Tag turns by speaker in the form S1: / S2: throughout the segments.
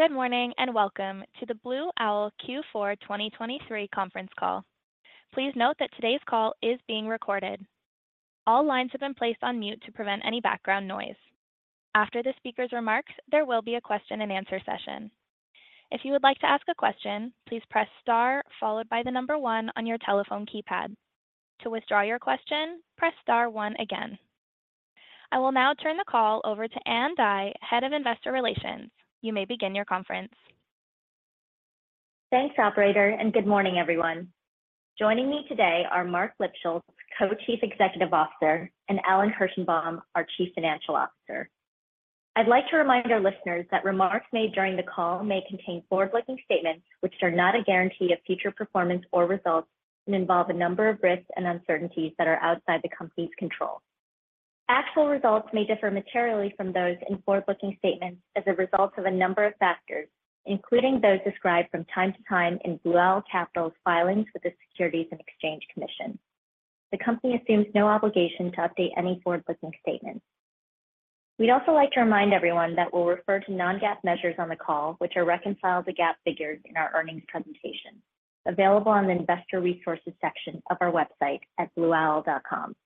S1: Good morning, and welcome to the Blue Owl Q4 2023 conference call. Please note that today's call is being recorded. All lines have been placed on mute to prevent any background noise. After the speaker's remarks, there will be a question and answer session. If you would like to ask a question, please press star followed by the number one on your telephone keypad. To withdraw your question, press star one again. I will now turn the call over to Ann Dai, Head of Investor Relations. You may begin your conference.
S2: Thanks, operator, and good morning, everyone. Joining me today are Marc Lipschultz, Co-Chief Executive Officer, and Alan Kirshenbaum, our Chief Financial Officer. I'd like to remind our listeners that remarks made during the call may contain forward-looking statements which are not a guarantee of future performance or results and involve a number of risks and uncertainties that are outside the company's control. Actual results may differ materially from those in forward-looking statements as a result of a number of factors, including those described from time to time in Blue Owl Capital's filings with the Securities and Exchange Commission. The company assumes no obligation to update any forward-looking statements. We'd also like to remind everyone that we'll refer to non-GAAP measures on the call, which are reconciled to GAAP figures in our earnings presentation, available on the Investor Resources section of our website at blueowl.com.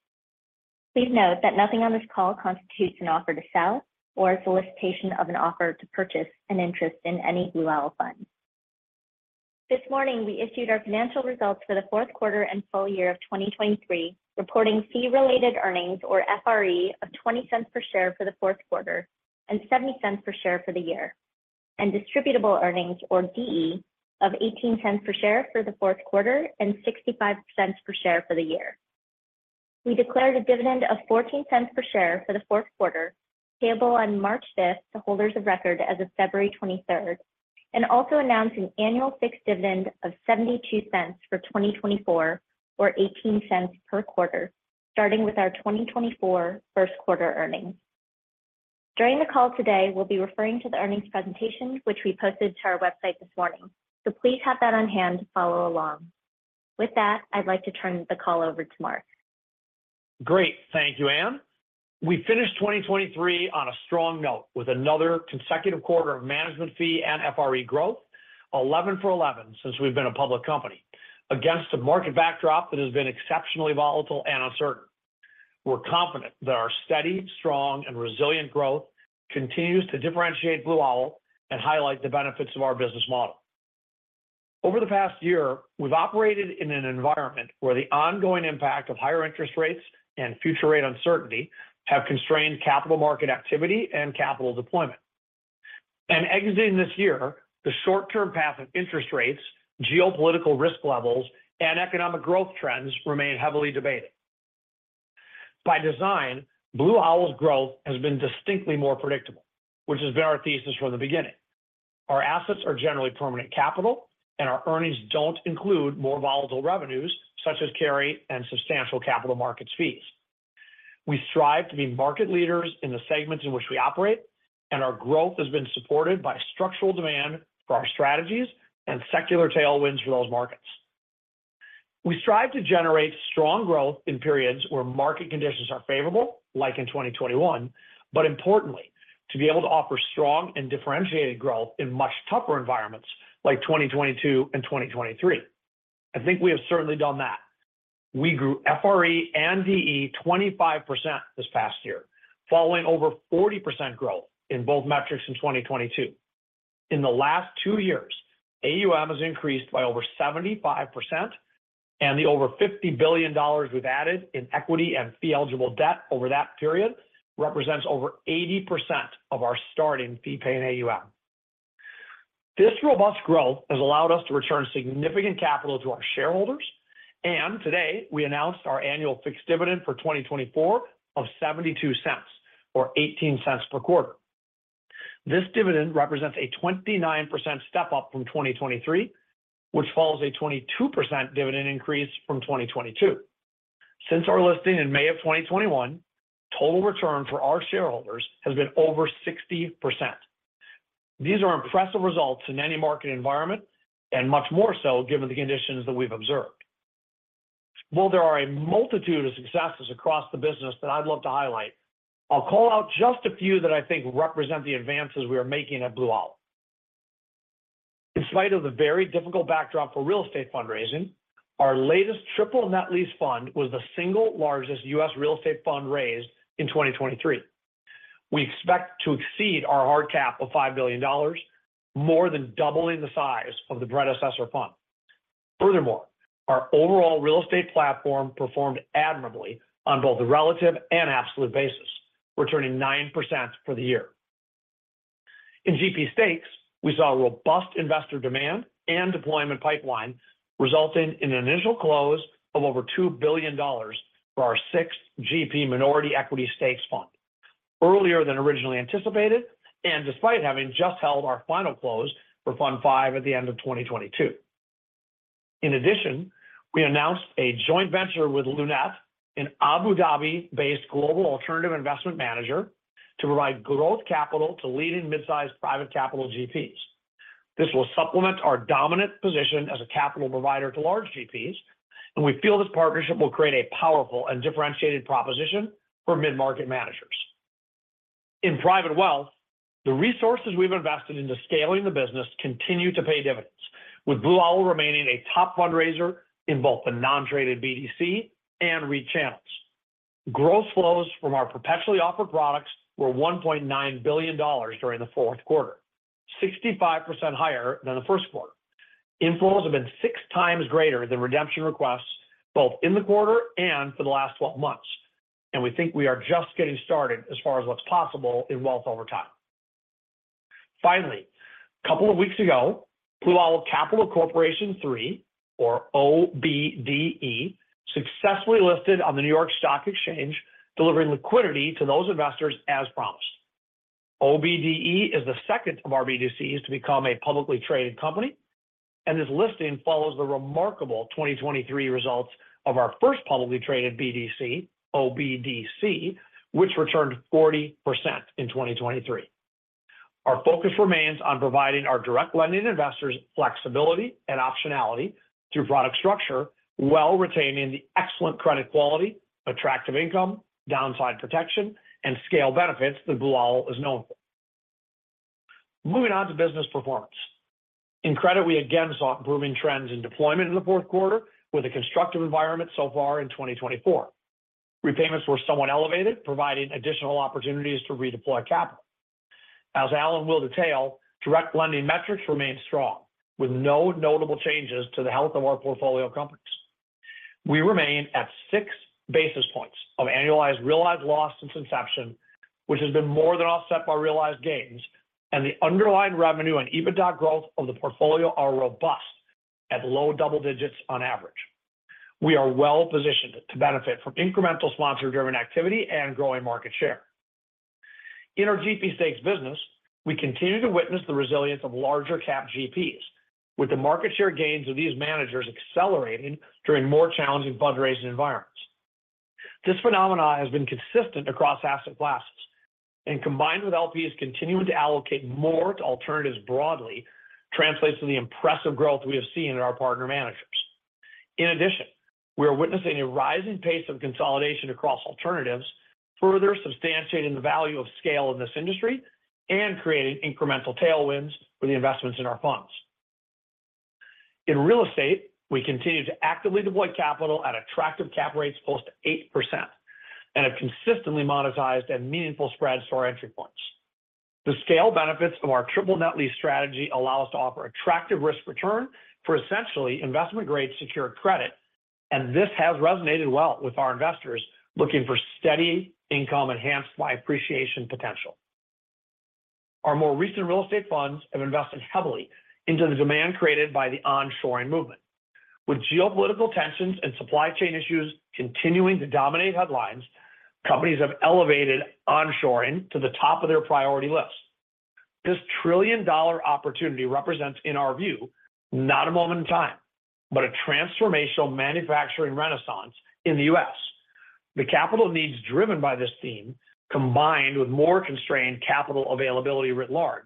S2: Please note that nothing on this call constitutes an offer to sell or a solicitation of an offer to purchase an interest in any Blue Owl fund. This morning, we issued our financial results for the fourth quarter and full year of 2023, reporting fee-related earnings or FRE of $0.20 per share for the fourth quarter and $0.70 per share for the year, and distributable earnings or DE of $0.18 per share for the fourth quarter and $0.65 per share for the year. We declared a dividend of $0.14 per share for the fourth quarter, payable on March 5th to holders of record as of February 23rd, and also announced an annual fixed dividend of $0.72 for 2024, or $0.18 per quarter, starting with our 2024 first quarter earnings. During the call today, we'll be referring to the earnings presentation, which we posted to our website this morning. So please have that on hand to follow along. With that, I'd like to turn the call over to Marc.
S3: Great. Thank you, Ann. We finished 2023 on a strong note with another consecutive quarter of management fee and FRE growth, 11 for 11 since we've been a public company, against a market backdrop that has been exceptionally volatile and uncertain. We're confident that our steady, strong, and resilient growth continues to differentiate Blue Owl and highlight the benefits of our business model. Over the past year, we've operated in an environment where the ongoing impact of higher interest rates and future rate uncertainty have constrained capital market activity and capital deployment. Exiting this year, the short-term path of interest rates, geopolitical risk levels, and economic growth trends remain heavily debated. By design, Blue Owl's growth has been distinctly more predictable, which has been our thesis from the beginning. Our assets are generally permanent capital, and our earnings don't include more volatile revenues, such as carry and substantial capital markets fees. We strive to be market leaders in the segments in which we operate, and our growth has been supported by structural demand for our strategies and secular tailwinds for those markets. We strive to generate strong growth in periods where market conditions are favorable, like in 2021, but importantly, to be able to offer strong and differentiated growth in much tougher environments like 2022 and 2023. I think we have certainly done that. We grew FRE and DE 25% this past year, following over 40% growth in both metrics in 2022. In the last two years, AUM has increased by over 75%, and the over $50 billion we've added in equity and fee-eligible debt over that period represents over 80% of our starting fee-paying AUM. This robust growth has allowed us to return significant capital to our shareholders, and today we announced our annual fixed dividend for 2024 of $0.72 or $0.18 per quarter. This dividend represents a 29% step-up from 2023, which follows a 22% dividend increase from 2022. Since our listing in May of 2021, total return for our shareholders has been over 60%. These are impressive results in any market environment and much more so given the conditions that we've observed. While there are a multitude of successes across the business that I'd love to highlight, I'll call out just a few that I think represent the advances we are making at Blue Owl. In spite of the very difficult backdrop for real estate fundraising, our latest triple net lease fund was the single largest U.S. real estate fund raised in 2023. We expect to exceed our hard cap of $5 billion, more than doubling the size of the predecessor fund. Furthermore, our overall real estate platform performed admirably on both a relative and absolute basis, returning 9% for the year. In GP stakes, we saw a robust investor demand and deployment pipeline, resulting in an initial close of over $2 billion for our 6th GP minority equity stakes fund, earlier than originally anticipated, and despite having just held our final close for Fund V at the end of 2022. In addition, we announced a joint venture with Lunate, an Abu Dhabi based global alternative investment manager, to provide growth capital to leading mid-sized private capital GPs. This will supplement our dominant position as a capital provider to large GPs, and we feel this partnership will create a powerful and differentiated proposition for mid-market managers. In private wealth, the resources we've invested into scaling the business continue to pay dividends, with Blue Owl remaining a top fundraiser in both the non-traded BDC and REIT channels. Gross flows from our perpetually offered products were $1.9 billion during the fourth quarter, 65% higher than the first quarter. Inflows have been six times greater than redemption requests, both in the quarter and for the last 12 months, and we think we are just getting started as far as what's possible in wealth over time. Finally, a couple of weeks ago, Blue Owl Capital Corporation III, or OBDE, successfully listed on the New York Stock Exchange, delivering liquidity to those investors as promised. OBDE is the second of our BDCs to become a publicly traded company, and this listing follows the remarkable 2023 results of our first publicly traded BDC, OBDC, which returned 40% in 2023. Our focus remains on providing our direct lending investors flexibility and optionality through product structure, while retaining the excellent credit quality, attractive income, downside protection, and scale benefits that Blue Owl is known for. Moving on to business performance. In credit, we again saw improving trends in deployment in the fourth quarter, with a constructive environment so far in 2024. Repayments were somewhat elevated, providing additional opportunities to redeploy capital. As Alan will detail, direct lending metrics remain strong, with no notable changes to the health of our portfolio companies. We remain at 6 basis points of annualized realized loss since inception, which has been more than offset by realized gains, and the underlying revenue and EBITDA growth of the portfolio are robust at low double digits on average. We are well positioned to benefit from incremental sponsor-driven activity and growing market share. In our GP stakes business, we continue to witness the resilience of larger cap GPs, with the market share gains of these managers accelerating during more challenging fundraising environments. This phenomenon has been consistent across asset classes, and combined with LPs continuing to allocate more to alternatives broadly, translates to the impressive growth we have seen in our partner managers. In addition, we are witnessing a rising pace of consolidation across alternatives, further substantiating the value of scale in this industry and creating incremental tailwinds for the investments in our funds. In real estate, we continue to actively deploy capital at attractive cap rates close to 8% and have consistently monetized and meaningful spreads to our entry points. The scale benefits of our triple net lease strategy allow us to offer attractive risk return for essentially investment-grade secured credit, and this has resonated well with our investors looking for steady income enhanced by appreciation potential. Our more recent real estate funds have invested heavily into the demand created by the onshoring movement. With geopolitical tensions and supply chain issues continuing to dominate headlines, companies have elevated onshoring to the top of their priority list. This trillion dollar opportunity represents, in our view, not a moment in time, but a transformational manufacturing renaissance in the U.S. The capital needs driven by this theme, combined with more constrained capital availability writ large,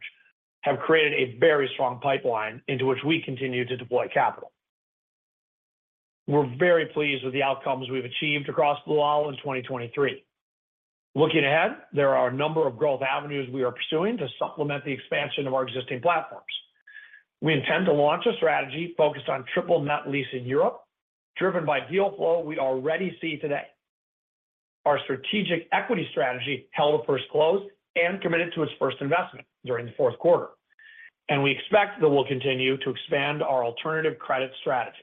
S3: have created a very strong pipeline into which we continue to deploy capital. We're very pleased with the outcomes we've achieved across Blue Owl in 2023. Looking ahead, there are a number of growth avenues we are pursuing to supplement the expansion of our existing platforms. We intend to launch a strategy focused on triple net lease in Europe, driven by deal flow we already see today. Our Strategic Equity strategy held a first close and committed to its first investment during the fourth quarter, and we expect that we'll continue to expand our alternative credit strategy.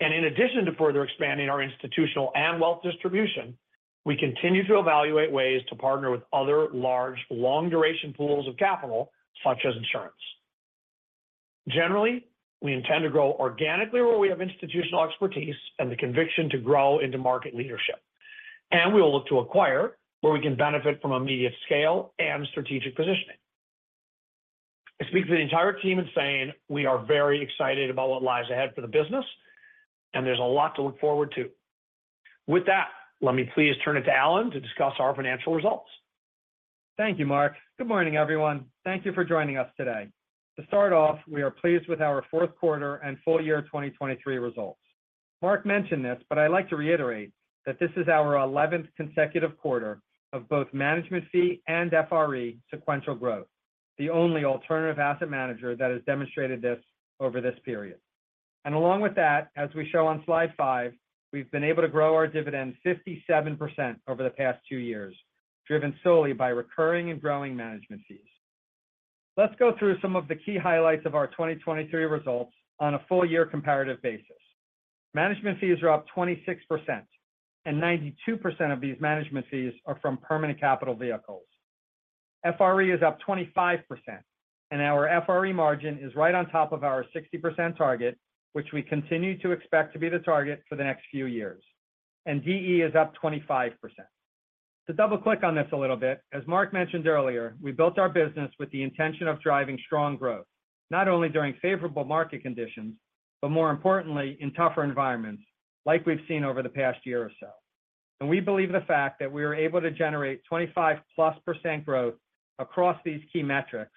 S3: And in addition to further expanding our institutional and wealth distribution, we continue to evaluate ways to partner with other large, long-duration pools of capital, such as insurance. Generally, we intend to grow organically where we have institutional expertise and the conviction to grow into market leadership, and we will look to acquire where we can benefit from immediate scale and strategic positioning. I speak for the entire team in saying we are very excited about what lies ahead for the business, and there's a lot to look forward to. With that, let me please turn it to Alan to discuss our financial results.
S4: Thank you, Marc. Good morning, everyone. Thank you for joining us today. To start off, we are pleased with our fourth quarter and full year 2023 results. Marc mentioned this, but I'd like to reiterate that this is our 11th consecutive quarter of both management fee and FRE sequential growth, the only alternative asset manager that has demonstrated this over this period. Along with that, as we show on slide five, we've been able to grow our dividend 57% over the past two years, driven solely by recurring and growing management fees. Let's go through some of the key highlights of our 2023 results on a full-year comparative basis. Management fees are up 26%, and 92% of these management fees are from permanent capital vehicles. FRE is up 25%, and our FRE margin is right on top of our 60% target, which we continue to expect to be the target for the next few years. DE is up 25%. To double-click on this a little bit, as Marc mentioned earlier, we built our business with the intention of driving strong growth, not only during favorable market conditions, but more importantly, in tougher environments like we've seen over the past year or so. We believe the fact that we were able to generate 25%+ growth across these key metrics,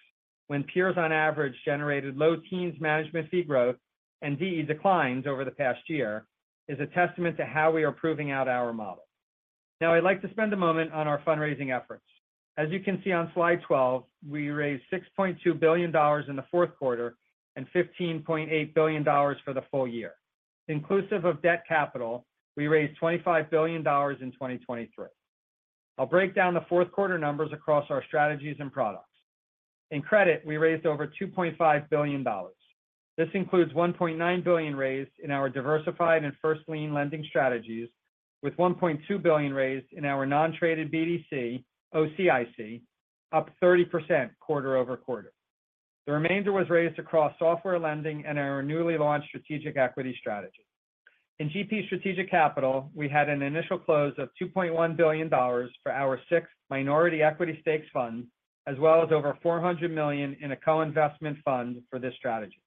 S4: when peers on average generated low teens management fee growth and DE declines over the past year, is a testament to how we are proving out our model. Now, I'd like to spend a moment on our fundraising efforts. As you can see on slide 12, we raised $6.2 billion in the fourth quarter and $15.8 billion for the full year. Inclusive of debt capital, we raised $25 billion in 2023. I'll break down the fourth quarter numbers across our strategies and products. In credit, we raised over $2.5 billion. This includes $1.9 billion raised in our diversified and first lien lending strategies, with $1.2 billion raised in our non-traded BDC, OCIC, up 30% quarter-over-quarter. The remainder was raised across software lending and our newly launched Strategic Equity strategy. In GP Strategic Capital, we had an initial close of $2.1 billion for our 6th minority equity stakes fund, as well as over $400 million in a co-investment fund for this strategy.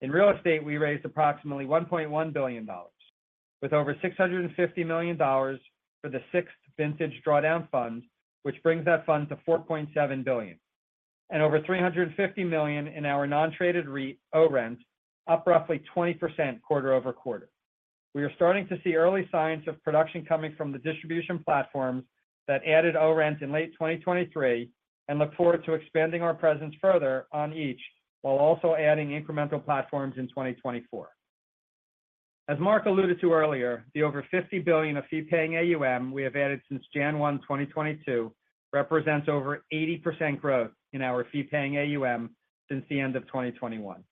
S4: In real estate, we raised approximately $1.1 billion, with over $650 million for the 6th vintage drawdown fund, which brings that fund to $4.7 billion, and over $350 million in our non-traded REIT, ORENT, up roughly 20% quarter-over-quarter. We are starting to see early signs of production coming from the distribution platforms that added ORENT in late 2023, and look forward to expanding our presence further on each, while also adding incremental platforms in 2024. As Marc alluded to earlier, the over $50 billion of fee-paying AUM we have added since January 1, 2022, represents over 80% growth in our fee-paying AUM since the end of 2021.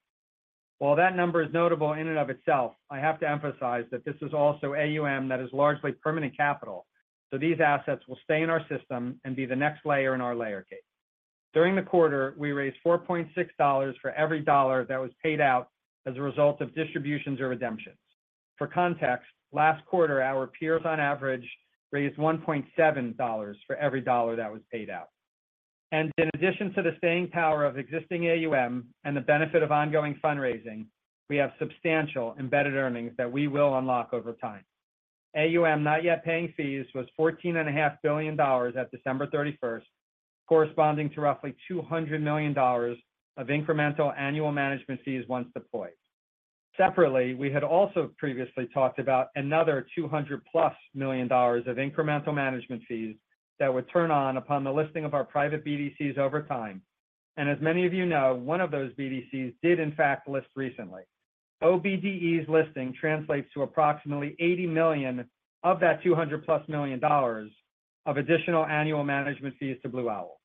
S4: While that number is notable in and of itself, I have to emphasize that this is also AUM that is largely permanent capital, so these assets will stay in our system and be the next layer in our layer cake. During the quarter, we raised $4.6 for every dollar that was paid out as a result of distributions or redemptions. For context, last quarter, our peers on average raised $1.7 for every dollar that was paid out. In addition to the staying power of existing AUM and the benefit of ongoing fundraising, we have substantial embedded earnings that we will unlock over time. AUM not yet paying fees was $14.5 billion at December 31st, corresponding to roughly $200 million of incremental annual management fees once deployed. Separately, we had also previously talked about another $200+ million of incremental management fees that would turn on upon the listing of our private BDCs over time. As many of you know, one of those BDCs did, in fact, list recently. OBDE's listing translates to approximately $80 million of that $200+ million of additional annual management fees to Blue Owl.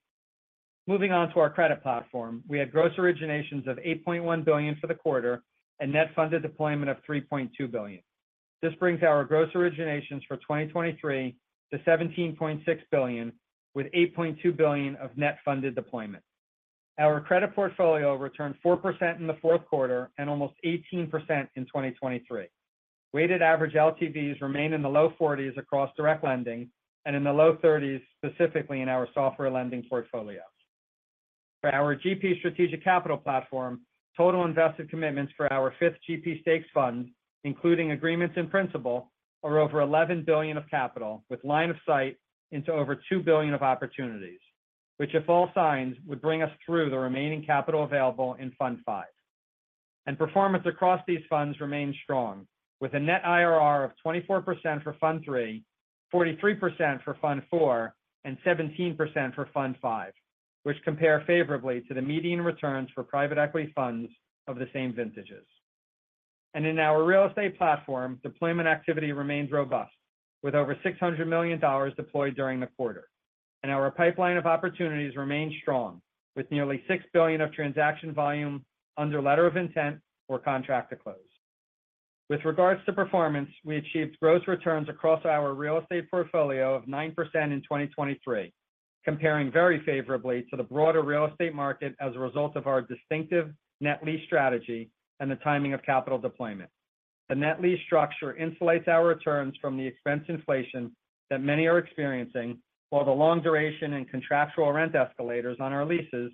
S4: Moving on to our credit platform, we had gross originations of $8.1 billion for the quarter and net funded deployment of $3.2 billion. This brings our gross originations for 2023 to $17.6 billion, with $8.2 billion of net funded deployment. Our credit portfolio returned 4% in the fourth quarter and almost 18% in 2023. Weighted average LTVs remain in the low 40s across direct lending and in the low 30s, specifically in our software lending portfolio. For our GP Strategic Capital platform, total invested commitments for our 5th GP stakes fund, including agreements in principle, are over $11 billion of capital, with line of sight into over 2 billion of opportunities, which if all signs, would bring us through the remaining capital available in Fund V. Performance across these funds remains strong, with a net IRR of 24% for Fund III, 43% for Fund IV, and 17% for Fund V, which compare favorably to the median returns for private equity funds of the same vintages. In our real estate platform, deployment activity remains robust, with over $600 million deployed during the quarter. Our pipeline of opportunities remains strong, with nearly 6 billion of transaction volume under letter of intent or contract to close. With regards to performance, we achieved gross returns across our real estate portfolio of 9% in 2023, comparing very favorably to the broader real estate market as a result of our distinctive net lease strategy and the timing of capital deployment. The net lease structure insulates our returns from the expense inflation that many are experiencing, while the long duration and contractual rent escalators on our leases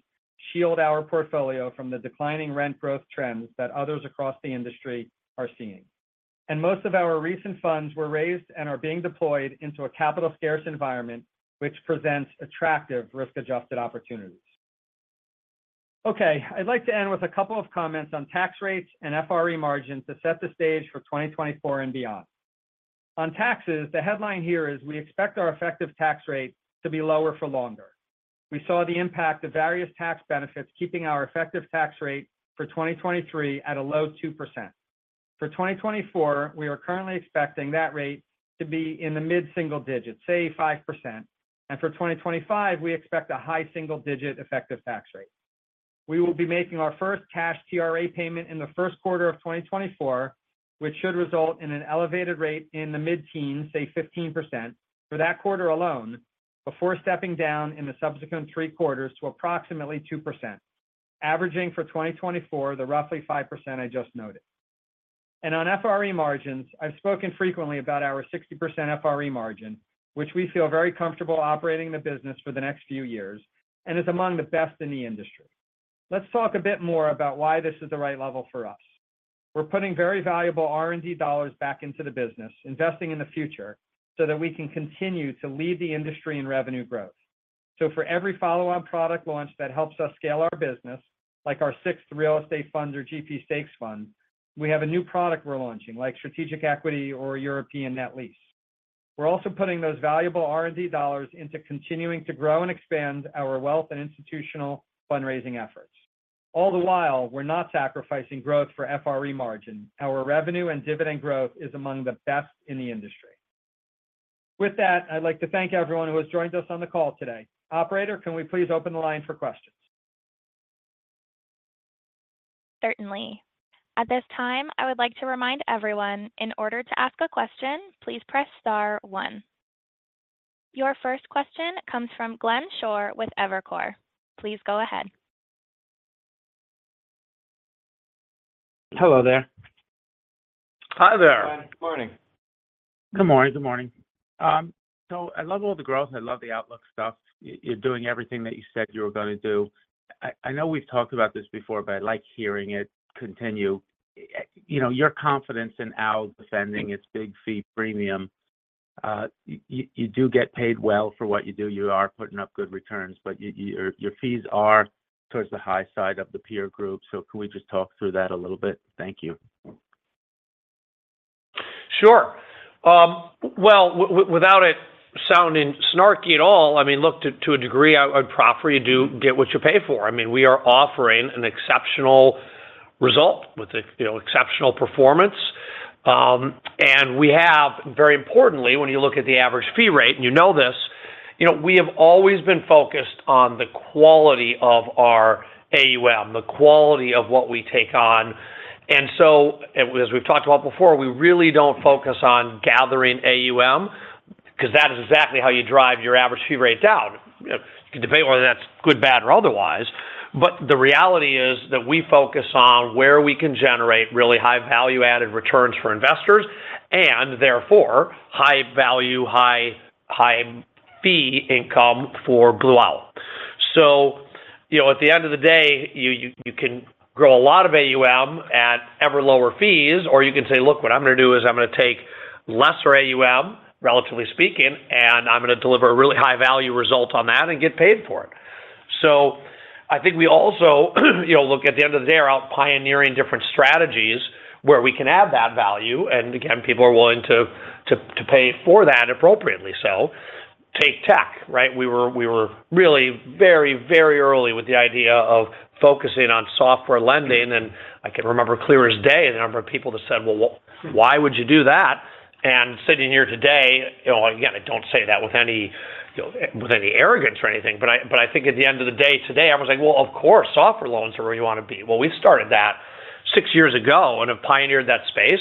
S4: shield our portfolio from the declining rent growth trends that others across the industry are seeing. Most of our recent funds were raised and are being deployed into a capital-scarce environment, which presents attractive risk-adjusted opportunities. Okay, I'd like to end with a couple of comments on tax rates and FRE margins to set the stage for 2024 and beyond. On taxes, the headline here is we expect our effective tax rate to be lower for longer. We saw the impact of various tax benefits, keeping our effective tax rate for 2023 at a low 2%. For 2024, we are currently expecting that rate to be in the mid-single digits, say, 5%, and for 2025, we expect a high single-digit effective tax rate. We will be making our first cash TRA payment in the first quarter of 2024, which should result in an elevated rate in the mid-teens, say 15%, for that quarter alone, before stepping down in the subsequent three quarters to approximately 2%, averaging for 2024, the roughly 5% I just noted. On FRE margins, I've spoken frequently about our 60% FRE margin, which we feel very comfortable operating the business for the next few years and is among the best in the industry....
S3: Let's talk a bit more about why this is the right level for us. We're putting very valuable R&D dollars back into the business, investing in the future, so that we can continue to lead the industry in revenue growth. So for every follow-on product launch that helps us scale our business, like our 6th real estate fund or GP stakes fund, we have a new product we're launching, like Strategic Equity or European Net Lease. We're also putting those valuable R&D dollars into continuing to grow and expand our wealth and institutional fundraising efforts. All the while, we're not sacrificing growth for FRE margin. Our revenue and dividend growth is among the best in the industry. With that, I'd like to thank everyone who has joined us on the call today. Operator, can we please open the line for questions?
S1: Certainly. At this time, I would like to remind everyone, in order to ask a question, please press star one. Your first question comes from Glenn Schorr with Evercore. Please go ahead.
S5: Hello there.
S3: Hi there. Good morning.
S5: Good morning. Good morning. So I love all the growth, and I love the outlook stuff. You're doing everything that you said you were gonna do. I know we've talked about this before, but I like hearing it continue. You know, your confidence in Owl defending its big fee premium, you do get paid well for what you do. You are putting up good returns, but your fees are towards the high side of the peer group. So can we just talk through that a little bit? Thank you.
S3: Sure. Well, without it sounding snarky at all. I mean, look to a degree, I'd probably get what you pay for. I mean, we are offering an exceptional result with the, you know, exceptional performance. And we have, very importantly, when you look at the average fee rate, and you know this, you know we have always been focused on the quality of our AUM, the quality of what we take on. And so, as we've talked about before, we really don't focus on gathering AUM, 'cause that is exactly how you drive your average fee rate down. You know, you can debate whether that's good, bad, or otherwise, but the reality is that we focus on where we can generate really high value-added returns for investors, and therefore, high value, high, high fee income for Blue Owl. So you know, at the end of the day, you can grow a lot of AUM at ever lower fees, or you can say, "Look, what I'm gonna do is I'm gonna take lesser AUM, relatively speaking, and I'm gonna deliver a really high-value result on that and get paid for it." So I think we also, you know, look at the end of the day, are out pioneering different strategies where we can add that value, and again, people are willing to pay for that appropriately. So take tech, right? We were really very, very early with the idea of focusing on software lending, and I can remember clear as day, the number of people that said, "Well, why would you do that?" Sitting here today, you know, again, I don't say that with any arrogance or anything, but I think at the end of the day today, everyone's like, "Well, of course, software loans are where you wanna be." Well, we started that six years ago and have pioneered that space.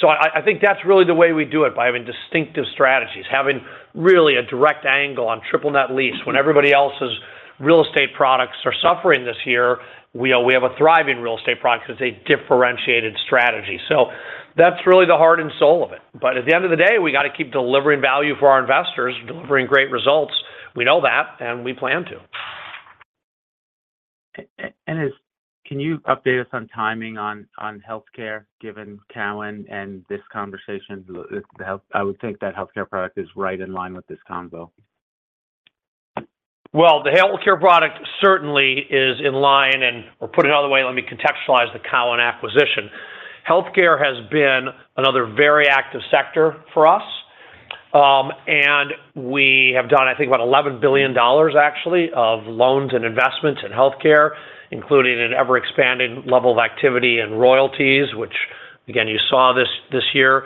S3: So I think that's really the way we do it by having distinctive strategies, having really a direct angle on triple net lease. When everybody else's real estate products are suffering this year, we have a thriving real estate product. It's a differentiated strategy, so that's really the heart and soul of it. But at the end of the day, we got to keep delivering value for our investors, delivering great results. We know that, and we plan to.
S5: Can you update us on timing on, on healthcare, given Cowen and this conversation? I would think that healthcare product is right in line with this convo.
S3: Well, the healthcare product certainly is in line, and we'll put it another way. Let me contextualize the Cowen acquisition. Healthcare has been another very active sector for us, and we have done, I think, about $11 billion, actually, of loans and investments in healthcare, including an ever-expanding level of activity and royalties, which again, you saw this year.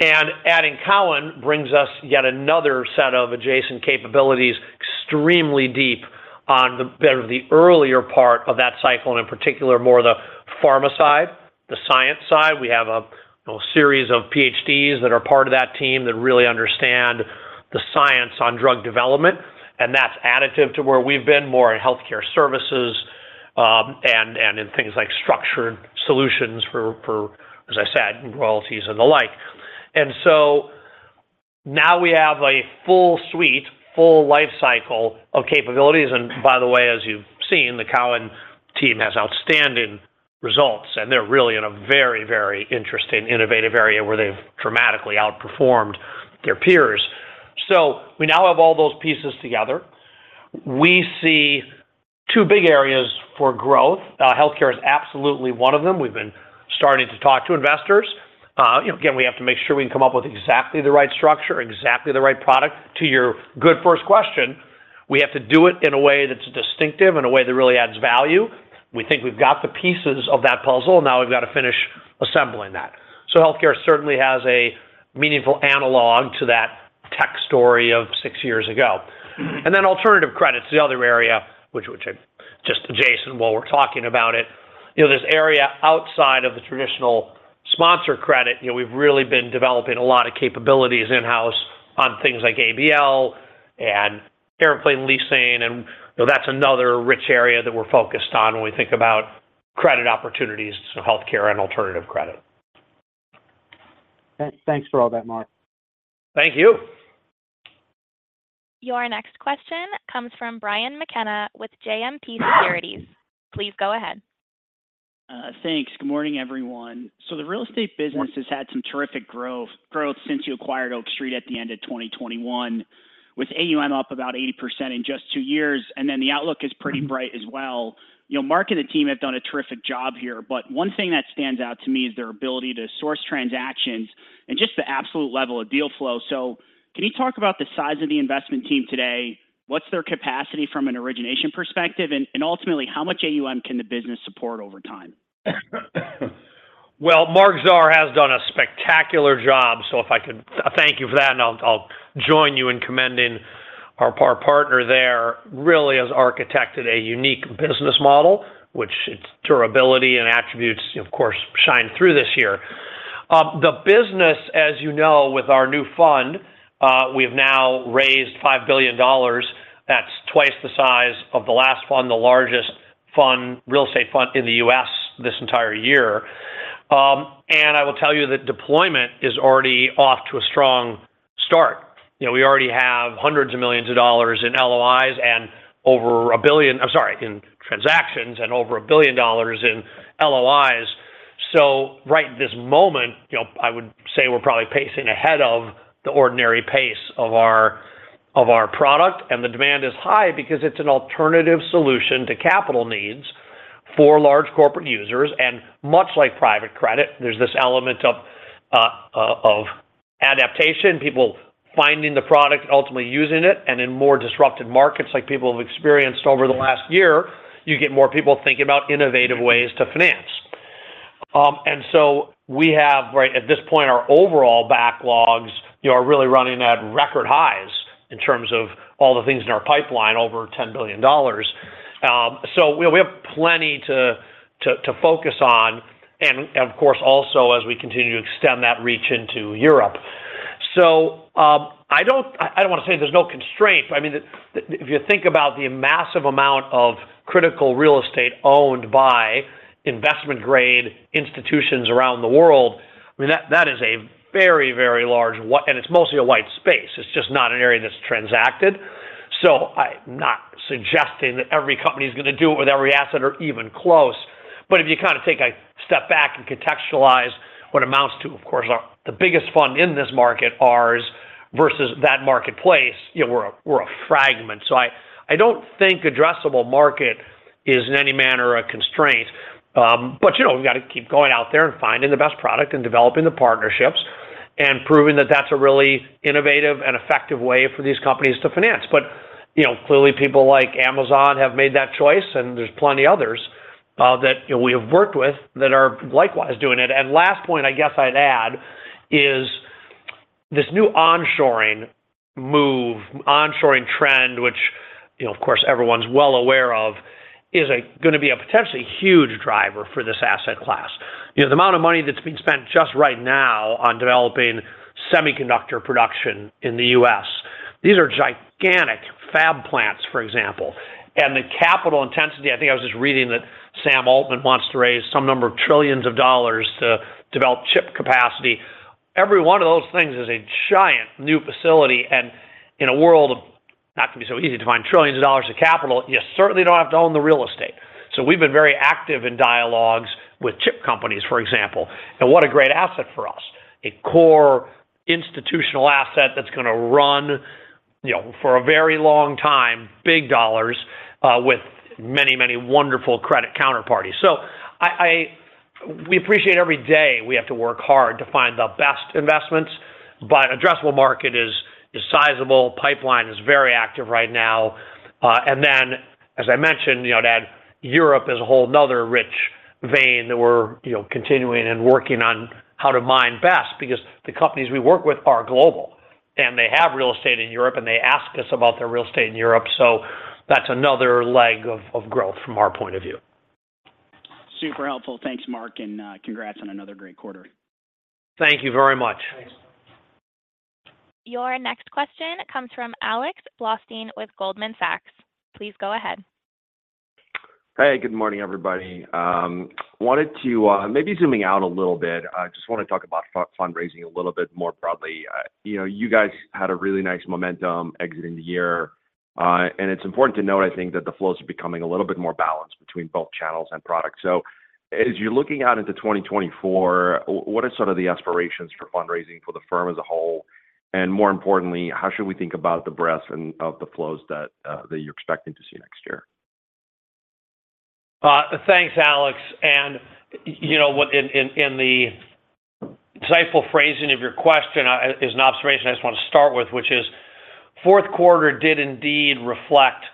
S3: And adding Cowen brings us yet another set of adjacent capabilities, extremely deep on the bit of the earlier part of that cycle, and in particular, more of the pharma side, the science side. We have a, you know, series of Ph.D.s that are part of that team that really understand the science on drug development, and that's additive to where we've been, more in healthcare services, and in things like structured solutions for, as I said, royalties and the like. And so now we have a full suite, full life cycle of capabilities, and by the way, as you've seen, the Cowen team has outstanding results, and they're really in a very, very interesting innovative area where they've dramatically outperformed their peers. So we now have all those pieces together. We see two big areas for growth. Healthcare is absolutely one of them. We've been starting to talk to investors. You know, again, we have to make sure we can come up with exactly the right structure, exactly the right product. To your good first question, we have to do it in a way that's distinctive, in a way that really adds value. We think we've got the pieces of that puzzle, now we've got to finish assembling that. So healthcare certainly has a meaningful analog to that tech story of six years ago. And then alternative credits, the other area, which is just adjacent, while we're talking about it, you know, this area outside of the traditional sponsor credit, you know, we've really been developing a lot of capabilities in-house on things like ABL and airplane leasing, and, you know, that's another rich area that we're focused on when we think about credit opportunities, so healthcare and alternative credit.
S6: Thanks for all that, Marc.
S3: Thank you.
S1: Your next question comes from Brian McKenna with JMP Securities. Please go ahead.
S7: Thanks. Good morning, everyone. So the real estate business has had some terrific growth, growth since you acquired Oak Street at the end of 2021, with AUM up about 80% in just two years, and then the outlook is pretty bright as well. You know, Marc and the team have done a terrific job here, but one thing that stands out to me is their ability to source transactions and just the absolute level of deal flow. So can you talk about the size of the investment team today? What's their capacity from an origination perspective? And, and ultimately, how much AUM can the business support over time?
S3: Well, Marc Zahr has done a spectacular job, so if I could thank you for that, and I'll, I'll join you in commending our partner there, really has architected a unique business model, which its durability and attributes, of course, shine through this year. The business, as you know, with our new fund, we've now raised $5 billion. That's twice the size of the last fund, the largest real estate fund in the U.S. this entire year. And I will tell you that deployment is already off to a strong start. You know, we already have hundreds of millions of dollars in transactions and over $1 billion in LOIs. So right this moment, you know, I would say we're probably pacing ahead of the ordinary pace of our product, and the demand is high because it's an alternative solution to capital needs for large corporate users, and much like private credit, there's this element of adaptation, people finding the product and ultimately using it, and in more disrupted markets, like people have experienced over the last year, you get more people thinking about innovative ways to finance. And so we have, right at this point, our overall backlogs, you know, are really running at record highs in terms of all the things in our pipeline, over $10 billion. So we have plenty to focus on, and of course, also as we continue to extend that reach into Europe. I don't want to say there's no constraint, but I mean, if you think about the massive amount of critical real estate owned by investment-grade institutions around the world, I mean, that is a very, very large one, and it's mostly a white space. It's just not an area that's transacted. So I'm not suggesting that every company is going to do it with every asset or even close. But if you kind of take a step back and contextualize what amounts to, of course, our the biggest fund in this market, ours, versus that marketplace, you know, we're a fragment. So I, I don't think addressable market is in any manner a constraint, but you know, we've got to keep going out there and finding the best product and developing the partnerships and proving that that's a really innovative and effective way for these companies to finance. But, you know clearly, people like Amazon have made that choice, and there's plenty others that, you know, we have worked with that are likewise doing it. And last point, I guess I'd add, is this new onshoring move, onshoring trend, which, you know, of course, everyone's well aware of, is gonna be a potentially huge driver for this asset class. You know, the amount of money that's been spent just right now on developing semiconductor production in the U.S. these are gigantic fab plants, for example. The capital intensity, I think I was just reading that Sam Altman wants to raise some number of trillions dollars to develop chip capacity. Every one of those things is a giant new facility, and in a world of not going to be so easy to find trillions dollars of capital, you certainly don't have to own the real estate. So we've been very active in dialogues with chip companies, for example, and what a great asset for us. A core institutional asset that's gonna run, you know, for a very long time, big dollars, with many, many wonderful credit counterparties. So we appreciate every day we have to work hard to find the best investments, but addressable market is sizable, pipeline is very active right now, and then, as I mentioned, you know, to add Europe is a whole another rich vein that we're, you know, continuing and working on how to mine best, because the companies we work with are global, and they have real estate in Europe, and they ask us about their real estate in Europe. So that's another leg of growth from our point of view.
S7: Super helpful. Thanks, Marc, and congrats on another great quarter.
S3: Thank you very much.
S1: Your next question comes from Alex Blostein with Goldman Sachs. Please go ahead.
S6: Hey, good morning, everybody. Wanted to, maybe zooming out a little bit, I just want to talk about fundraising a little bit more broadly. You know, you guys had a really nice momentum exiting the year, and it's important to note, I think, that the flows are becoming a little bit more balanced between both channels and products. So as you're looking out into 2024, what are some of the aspirations for fundraising for the firm as a whole? And more importantly, how should we think about the breadth and depth of the flows that you're expecting to see next year?
S3: Thanks, Alex. And you know what, in the insightful phrasing of your question, is an observation I just want to start with, which is, fourth quarter did indeed reflect,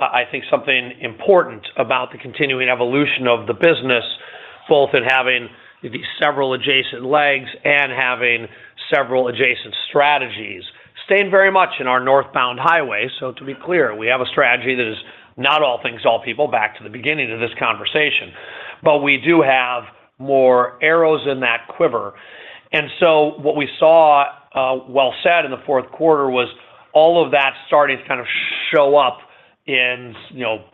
S3: I think, something important about the continuing evolution of the business, both in having these several adjacent legs and having several adjacent strategies. Staying very much in our northbound highway, so to be clear, we have a strategy that is not all things to all people, back to the beginning of this conversation. But we do have more arrows in that quiver. And so what we saw in the fourth quarter was all of that started to kind of show up in, you know,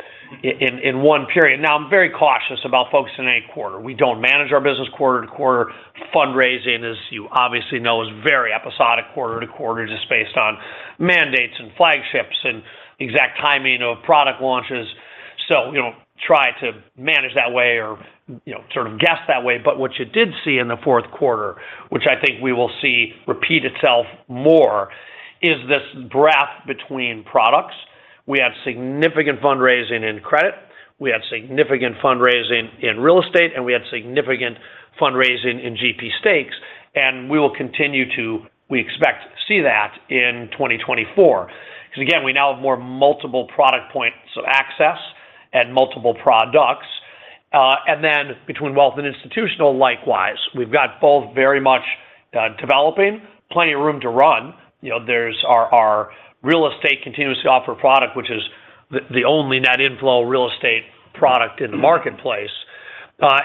S3: in one period. Now, I'm very cautious about focusing in a quarter. We don't manage our business quarter-to-quarter. Fundraising, as you obviously know, is very episodic quarter-to-quarter, just based on mandates and flagships and exact timing of product launches. So we don't try to manage that way or, you know, sort of guess that way. But what you did see in the fourth quarter, which I think we will see repeat itself more, is this breadth between products. We have significant fundraising in credit, we have significant fundraising in real estate, and we have significant fundraising in GP Stakes, and we will continue to, we expect to see that in 2024. Because again, we now have more multiple product points of access and multiple products. And then between wealth and institutional, likewise, we've got both very much developing, plenty of room to run. You know, there's our real estate continues to offer product, which is the only net inflow real estate product in the marketplace,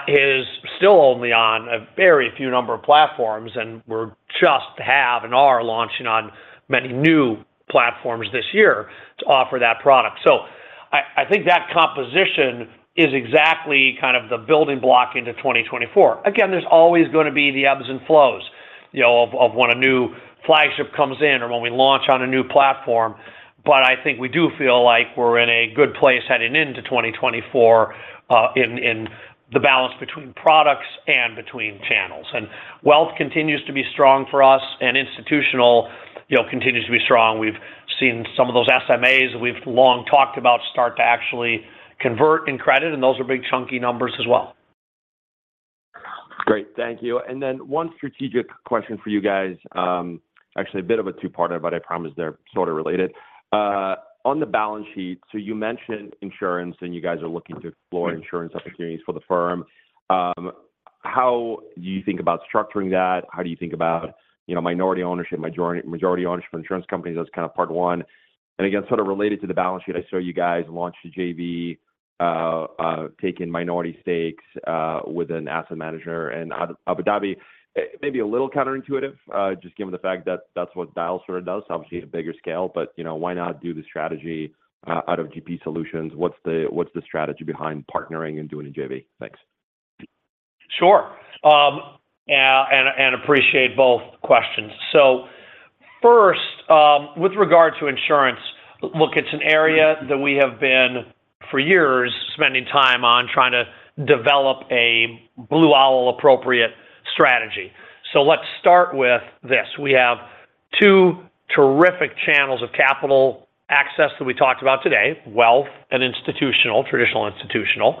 S3: is still only on a very few number of platforms, and we're just have and are launching on many new platforms this year to offer that product. So I think that composition is exactly kind of the building block into 2024. Again, there's always gonna be the ebbs and flows, you know, of when a new flagship comes in or when we launch on a new platform. But I think we do feel like we're in a good place heading into 2024, in the balance between products and between channels. And wealth continues to be strong for us, and institutional, you know, continues to be strong. We've seen some of those SMAs we've long talked about start to actually convert in credit, and those are big, chunky numbers as well.
S6: Great. Thank you. And then one strategic question for you guys, actually a bit of a two-parter, but I promise they're sort of related. On the balance sheet, so you mentioned insurance, and you guys are looking to explore insurance opportunities for the firm. How do you think about structuring that? How do you think about, you know, minority ownership, majority, majority ownership of insurance companies? That's kind of part one. And again, sort of related to the balance sheet, I saw you guys launch a JV, taking minority stakes, with an asset manager in Abu Dhabi. Maybe a little counterintuitive, just given the fact that that's what Dyal sort of does, obviously, a bigger scale, but, you know, why not do the strategy out of GP Solutions? What's the, what's the strategy behind partnering and doing a JV? Thanks.
S3: Sure. And appreciate both questions. So first, with regard to insurance, look, it's an area that we have been, for years, spending time on trying to develop a Blue Owl appropriate strategy. So let's start with this. We have two terrific channels of capital access that we talked about today, wealth and institutional, traditional institutional.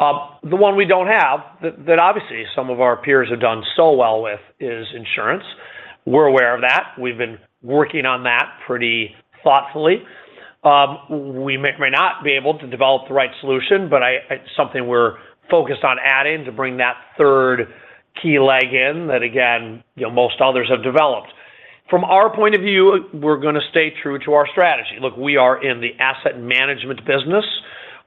S3: The one we don't have, that obviously some of our peers have done so well with, is insurance. We're aware of that. We've been working on that pretty thoughtfully. We may not be able to develop the right solution, but it's something we're focused on adding to bring that third key leg in that, again, you know, most others have developed. From our point of view, we're gonna stay true to our strategy. Look, we are in the asset management business.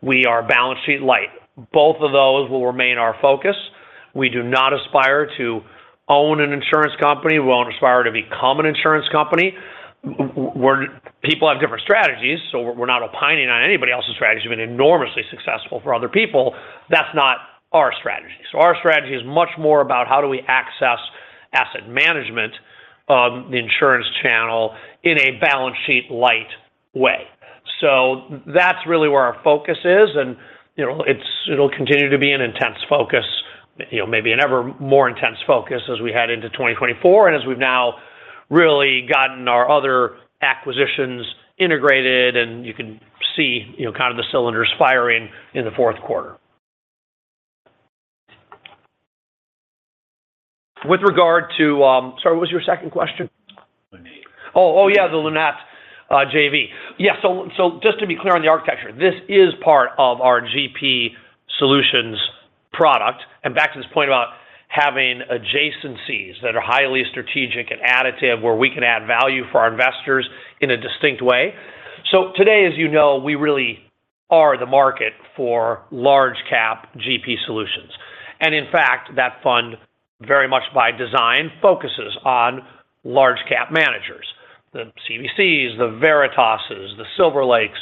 S3: We are balance sheet light. Both of those will remain our focus. We do not aspire to own an insurance company. We won't aspire to become an insurance company. Where people have different strategies, so we're not opining on anybody else's strategy. They've been enormously successful for other people. That's not our strategy. So our strategy is much more about how do we access asset management, the insurance channel in a balance sheet light way. So that's really where our focus is, and, you know, it's, it'll continue to be an intense focus, you know, maybe an ever more intense focus as we head into 2024 and as we've now really gotten our other acquisitions integrated, and you can see, you know, kind of the cylinders firing in the fourth quarter. With regard to... Sorry, what was your second question?
S6: Lunate.
S3: Oh, yeah, the Lunate JV. Yeah, so just to be clear on the architecture, this is part of our GP solutions product. And back to this point about having adjacencies that are highly strategic and additive, where we can add value for our investors in a distinct way. So today, as you know, we really are the market for large cap GP solutions. And in fact, that fund, very much by design, focuses on large cap managers, the CVCs, the Veritases, the Silver Lakes.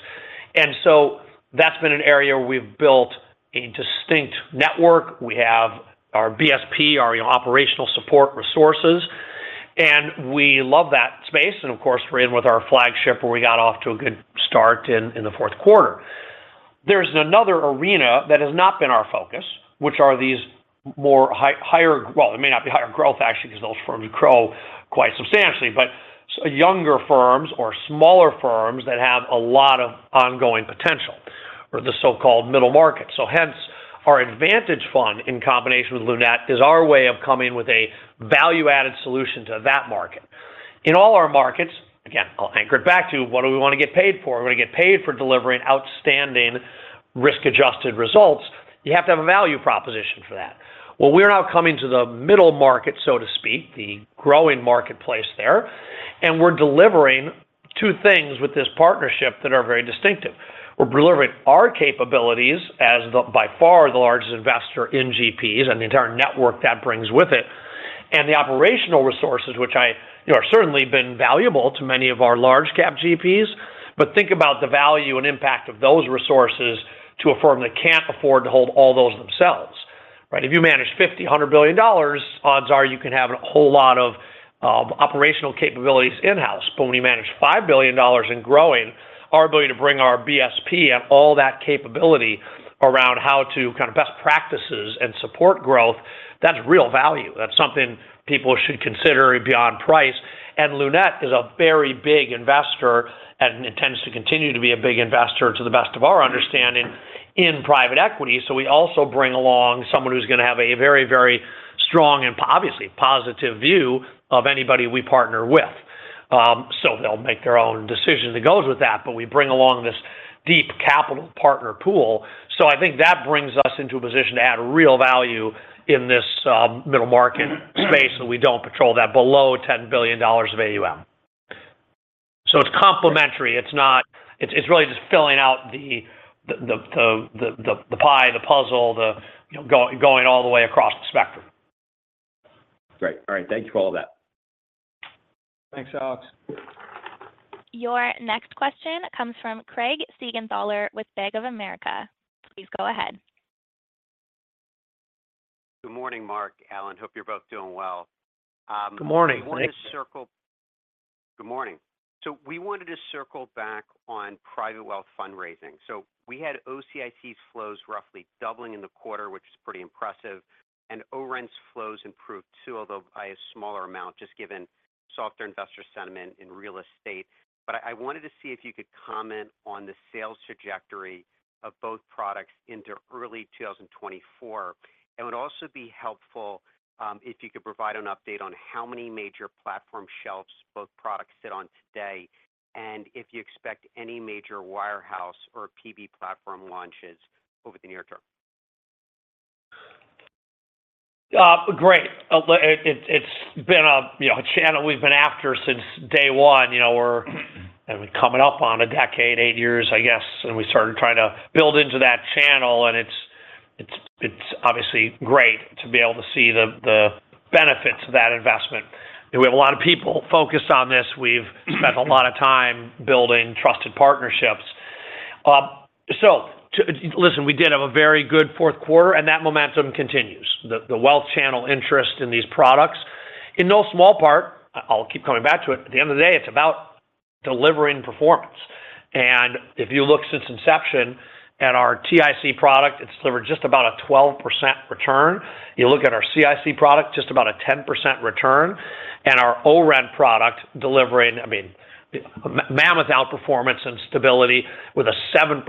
S3: And so that's been an area we've built a distinct network. We have our BSP, our operational support resources, and we love that space. And of course, we're in with our flagship, where we got off to a good start in the fourth quarter. There's another arena that has not been our focus, which are these more higher- well, it may not be higher growth, actually, because those firms grow quite substantially, but younger firms or smaller firms that have a lot of ongoing potential, or the so-called middle market. So hence, our advantage fund, in combination with Lunate, is our way of coming with a value added solution to that market. In all our markets, again, I'll anchor it back to what do we wanna get paid for? We're gonna get paid for delivering outstanding risk-adjusted results. You have to have a value proposition for that. Well, we're now coming to the middle market, so to speak, the growing marketplace there, and we're delivering two things with this partnership that are very distinctive. We're delivering our capabilities as the, by far, the largest investor in GPs and the entire network that brings with it. The operational resources, which I, you know, are certainly been valuable to many of our large cap GPs. But think about the value and impact of those resources to a firm that can't afford to hold all those themselves, right? If you manage $50 billion-$100 billion, odds are you can have a whole lot of operational capabilities in-house. But when you manage $5 billion and growing, our ability to bring our BSP and all that capability around how to kind of best practices and support growth, that's real value. That's something people should consider beyond price. And Lunate is a very big investor, and intends to continue to be a big investor, to the best of our understanding, in private equity. So we also bring along someone who's gonna have a very, very strong and obviously, positive view of anybody we partner with. So they'll make their own decision that goes with that, but we bring along this deep capital partner pool. So I think that brings us into a position to add real value in this middle market space, so we don't patrol that below $10 billion of AUM. So it's complementary. It's not, it's really just filling out the pie, the puzzle, you know, going all the way across the spectrum.
S6: Great. All right, thank you for all that.
S3: Thanks, Alex.
S1: Your next question comes from Craig Siegenthaler with Bank of America. Please go ahead.
S8: Good morning, Marc, Alan, hope you're both doing well.
S3: Good morning.
S8: Good morning. So we wanted to circle back on private wealth fundraising. So we had OCIC's flows roughly doubling in the quarter, which is pretty impressive, and ORENT's flows improved too, although by a smaller amount, just given softer investor sentiment in real estate. But I wanted to see if you could comment on the sales trajectory of both products into early 2024. It would also be helpful if you could provide an update on how many major platform shelves both products sit on today, and if you expect any major wirehouse or PB platform launches over the near term.
S3: Great. It’s been a, you know, a channel we’ve been after since day one. You know, we’re coming up on a decade, eight years, I guess, and we started trying to build into that channel, and it’s obviously great to be able to see the benefits of that investment. We have a lot of people focused on this. We’ve spent a lot of time building trusted partnerships. So, listen, we did have a very good fourth quarter, and that momentum continues. The wealth channel interest in these products, in no small part, I’ll keep coming back to it, at the end of the day, it’s about delivering performance. And if you look since inception at our TIC product, it’s delivered just about a 12% return. You look at our CIC product, just about a 10% return, and our ORENT product delivering, I mean, mammoth outperformance and stability with a 7%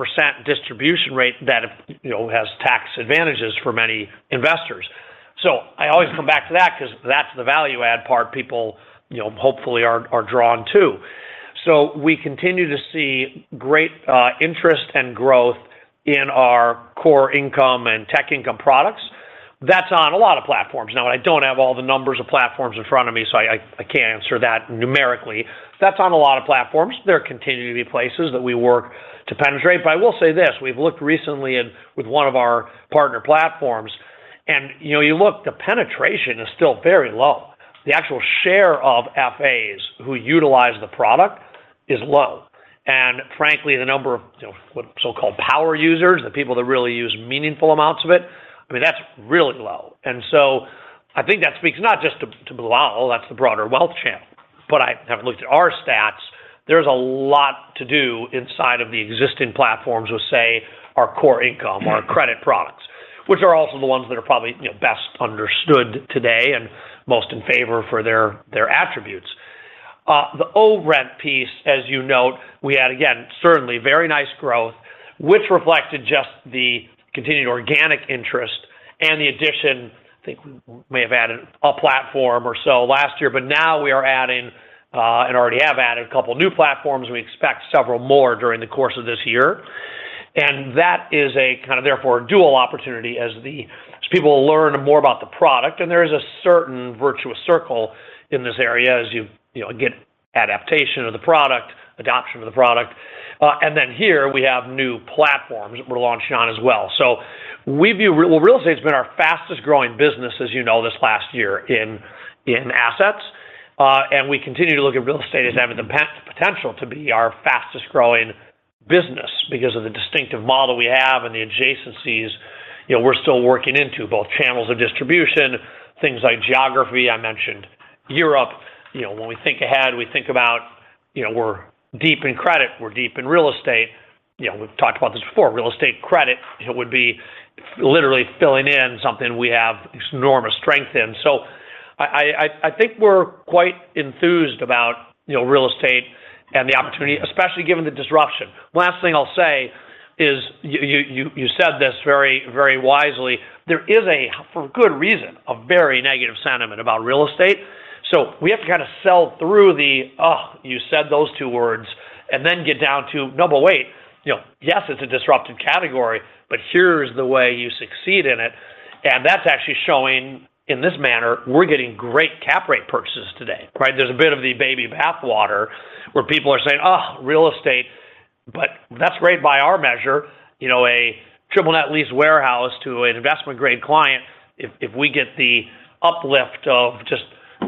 S3: distribution rate that, you know, has tax advantages for many investors. So I always come back to that because that's the value add part people, you know, hopefully are drawn to. So we continue to see great interest and growth in our core income and tech income products. That's on a lot of platforms. Now, I don't have all the numbers of platforms in front of me, so I can't answer that numerically. That's on a lot of platforms. There continue to be places that we work to penetrate. But I will say this, we've looked recently in with one of our partner platforms, and, you know, you look, the penetration is still very low. The actual share of FAs who utilize the product is low. Frankly, the number of, you know, so-called power users, the people that really use meaningful amounts of it, I mean, that's really low. So I think that speaks not just to OWL, that's the broader wealth channel. But I have looked at our stats, there's a lot to do inside of the existing platforms with, say, our core income, our credit products, which are also the ones that are probably, you know, best understood today and most in favor for their attributes. The ORENT piece, as you note, we had again, certainly very nice growth, which reflected just the continued organic interest and the addition, I think we may have added a platform or so last year, but now we are adding, and already have added a couple of new platforms, and we expect several more during the course of this year. And that is a kind of therefore, a dual opportunity as people learn more about the product. And there is a certain virtuous circle in this area as you, you know, get adaptation of the product, adoption of the product. And then here we have new platforms we're launching on as well. So we view well, real estate has been our fastest growing business, as you know, this last year in assets. And we continue to look at real estate as having the potential to be our fastest growing business because of the distinctive model we have and the adjacencies, you know, we're still working into both channels of distribution, things like geography. I mentioned Europe. You know, when we think ahead, we think about, you know, we're deep in credit, we're deep in real estate. You know, we've talked about this before. Real estate credit, it would be literally filling in something we have enormous strength in. So I think we're quite enthused about, you know, real estate and the opportunity, especially given the disruption. Last thing I'll say is you said this very, very wisely: There is a, for good reason, a very negative sentiment about real estate. So we have to kind of sell through the, you said those two words, and then get down to, you know, yes, it's a disrupted category, but here's the way you succeed in it... And that's actually showing in this manner, we're getting great cap rate purchases today, right? There's a bit of the baby bathwater where people are saying, "Oh, real estate," but that's great by our measure. You know, a triple net lease warehouse to an investment-grade client, if we get the uplift of just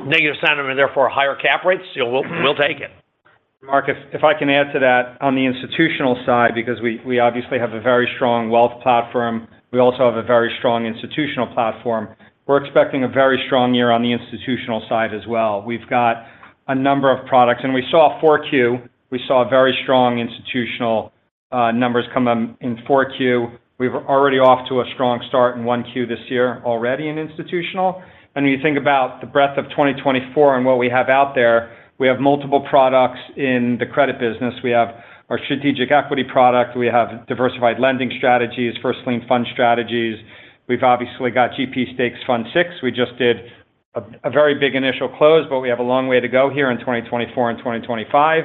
S3: negative sentiment and therefore higher cap rates, we'll take it.
S4: Marc, if I can add to that. On the institutional side, because we obviously have a very strong wealth platform, we also have a very strong institutional platform. We're expecting a very strong year on the institutional side as well. We've got a number of products, and we saw 4Q. We saw very strong institutional numbers come up in 4Q. We're already off to a strong start in 1Q this year already in institutional. And when you think about the breadth of 2024 and what we have out there, we have multiple products in the credit business. We have our Strategic Equity product, we have diversified lending strategies, first lien fund strategies. We've obviously got GP Stakes Fund VI. We just did a very big initial close, but we have a long way to go here in 2024 and 2025.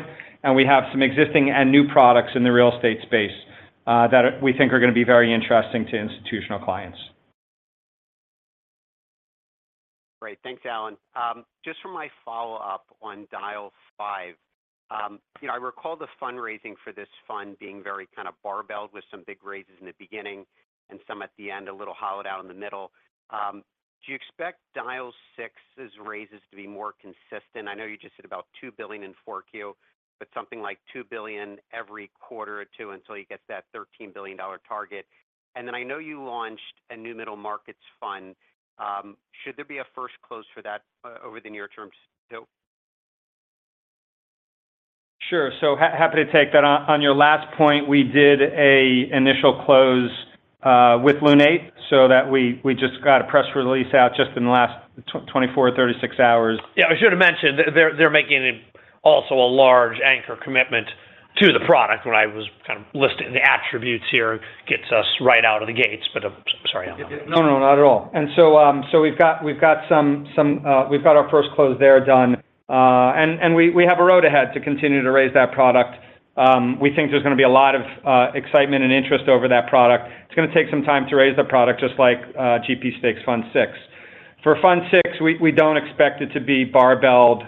S4: We have some existing and new products in the real estate space that we think are gonna be very interesting to institutional clients.
S8: Great. Thanks, Alan. Just for my follow-up on Dyal V, you know, I recall the fundraising for this fund being very kind of barbelled, with some big raises in the beginning and some at the end, a little hollowed out in the middle. Do you expect Dyal's 6th raises to be more consistent? I know you just said about $2 billion in 4Q, but something like $2 billion every quarter or two until you get that $13 billion target. And then I know you launched a new middle markets fund. Should there be a first close for that over the near term still?
S4: Sure. So happy to take that on. On your last point, we did an initial close with Lunate, so that we just got a press release out just in the last 24-36 hours.
S3: Yeah, I should have mentioned, they're making it also a large anchor commitment to the product when I was kind of listing the attributes here. Gets us right out of the gates, but sorry, Alan.
S4: No, no, not at all. And so, so we've got some, we've got our first close there done, and we have a road ahead to continue to raise that product. We think there's gonna be a lot of excitement and interest over that product. It's gonna take some time to raise the product, just like GP Stakes Fund VI. For Fund VI, we don't expect it to be barbelled,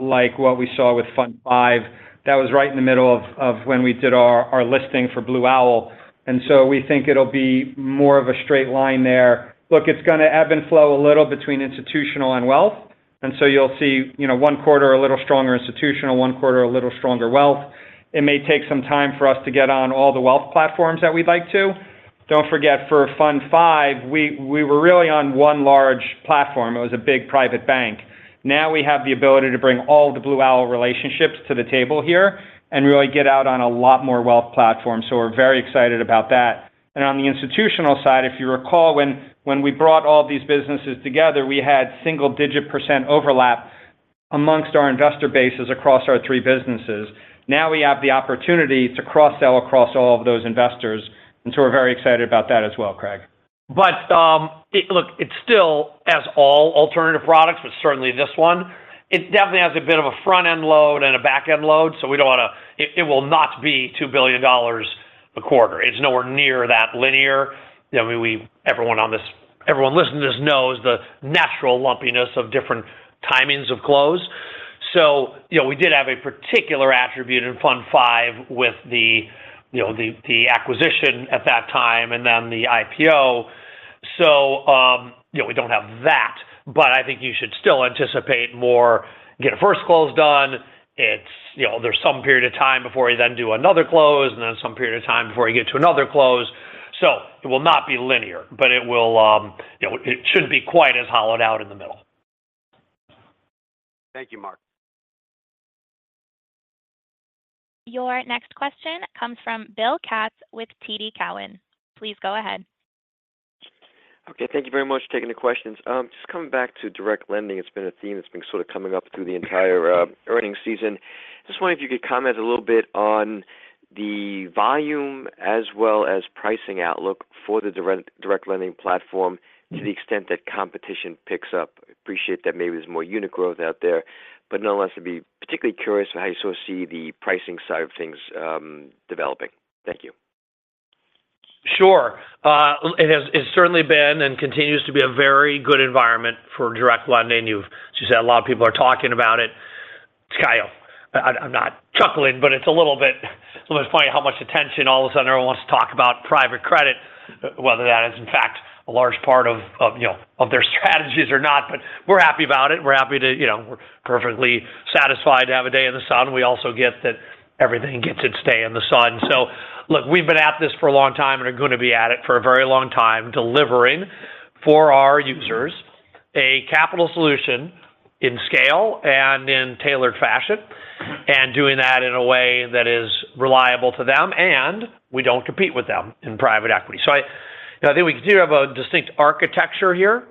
S4: like what we saw with Fund V. That was right in the middle of when we did our listing for Blue Owl, and so we think it'll be more of a straight line there. Look, it's gonna ebb and flow a little between institutional and wealth, and so you'll see, you know, one quarter, a little stronger institutional, one quarter, a little stronger wealth. It may take some time for us to get on all the wealth platforms that we'd like to. Don't forget, for Fund V, we were really on one large platform. It was a big private bank. Now we have the ability to bring all the Blue Owl relationships to the table here and really get out on a lot more wealth platforms. So we're very excited about that. And on the institutional side, if you recall, when we brought all these businesses together, we had single-digit % overlap amongst our investor bases across our three businesses. Now we have the opportunity to cross-sell across all of those investors, and so we're very excited about that as well, Craig.
S3: But, look, it's still as all alternative products, but certainly this one, it definitely has a bit of a front-end load and a back-end load, so we don't wanna it, it will not be $2 billion a quarter. It's nowhere near that linear. You know, everyone listening to this knows the natural lumpiness of different timings of close. So, you know, we did have a particular attribute in Fund V with you know, the acquisition at that time and then the IPO. So, you know, we don't have that, but I think you should still anticipate more, get a first close done. It's you know, there's some period of time before you then do another close, and then some period of time before you get to another close. So It will not be linear, but it will, you know, it shouldn't be quite as hollowed out in the middle.
S8: Thank you, Marc.
S1: Your next question comes from Bill Katz with TD Cowen. Please go ahead.
S9: Okay, thank you very much for taking the questions. Just coming back to direct lending, it's been a theme that's been sort of coming up through the entire earnings season. Just wondering if you could comment a little bit on the volume as well as pricing outlook for the direct lending platform to the extent that competition picks up. I appreciate that maybe there's more unit growth out there, but nonetheless, I'd be particularly curious how you so see the pricing side of things developing. Thank you.
S3: Sure. It's certainly been and continues to be a very good environment for direct lending. You've just said a lot of people are talking about it. Kyle, I'm not chuckling, but it's a little bit funny how much attention, all of a sudden, everyone wants to talk about private credit, whether that is in fact, a large part of, you know, of their strategies or not. But we're happy about it. We're happy to, you know, we're perfectly satisfied to have a day in the sun. We also get that everything gets its day in the sun. So look, we've been at this for a long time and are gonna be at it for a very long time, delivering for our users a capital solution in scale and in tailored fashion, and doing that in a way that is reliable to them, and we don't compete with them in private equity. So I- you know, I think we do have a distinct architecture here.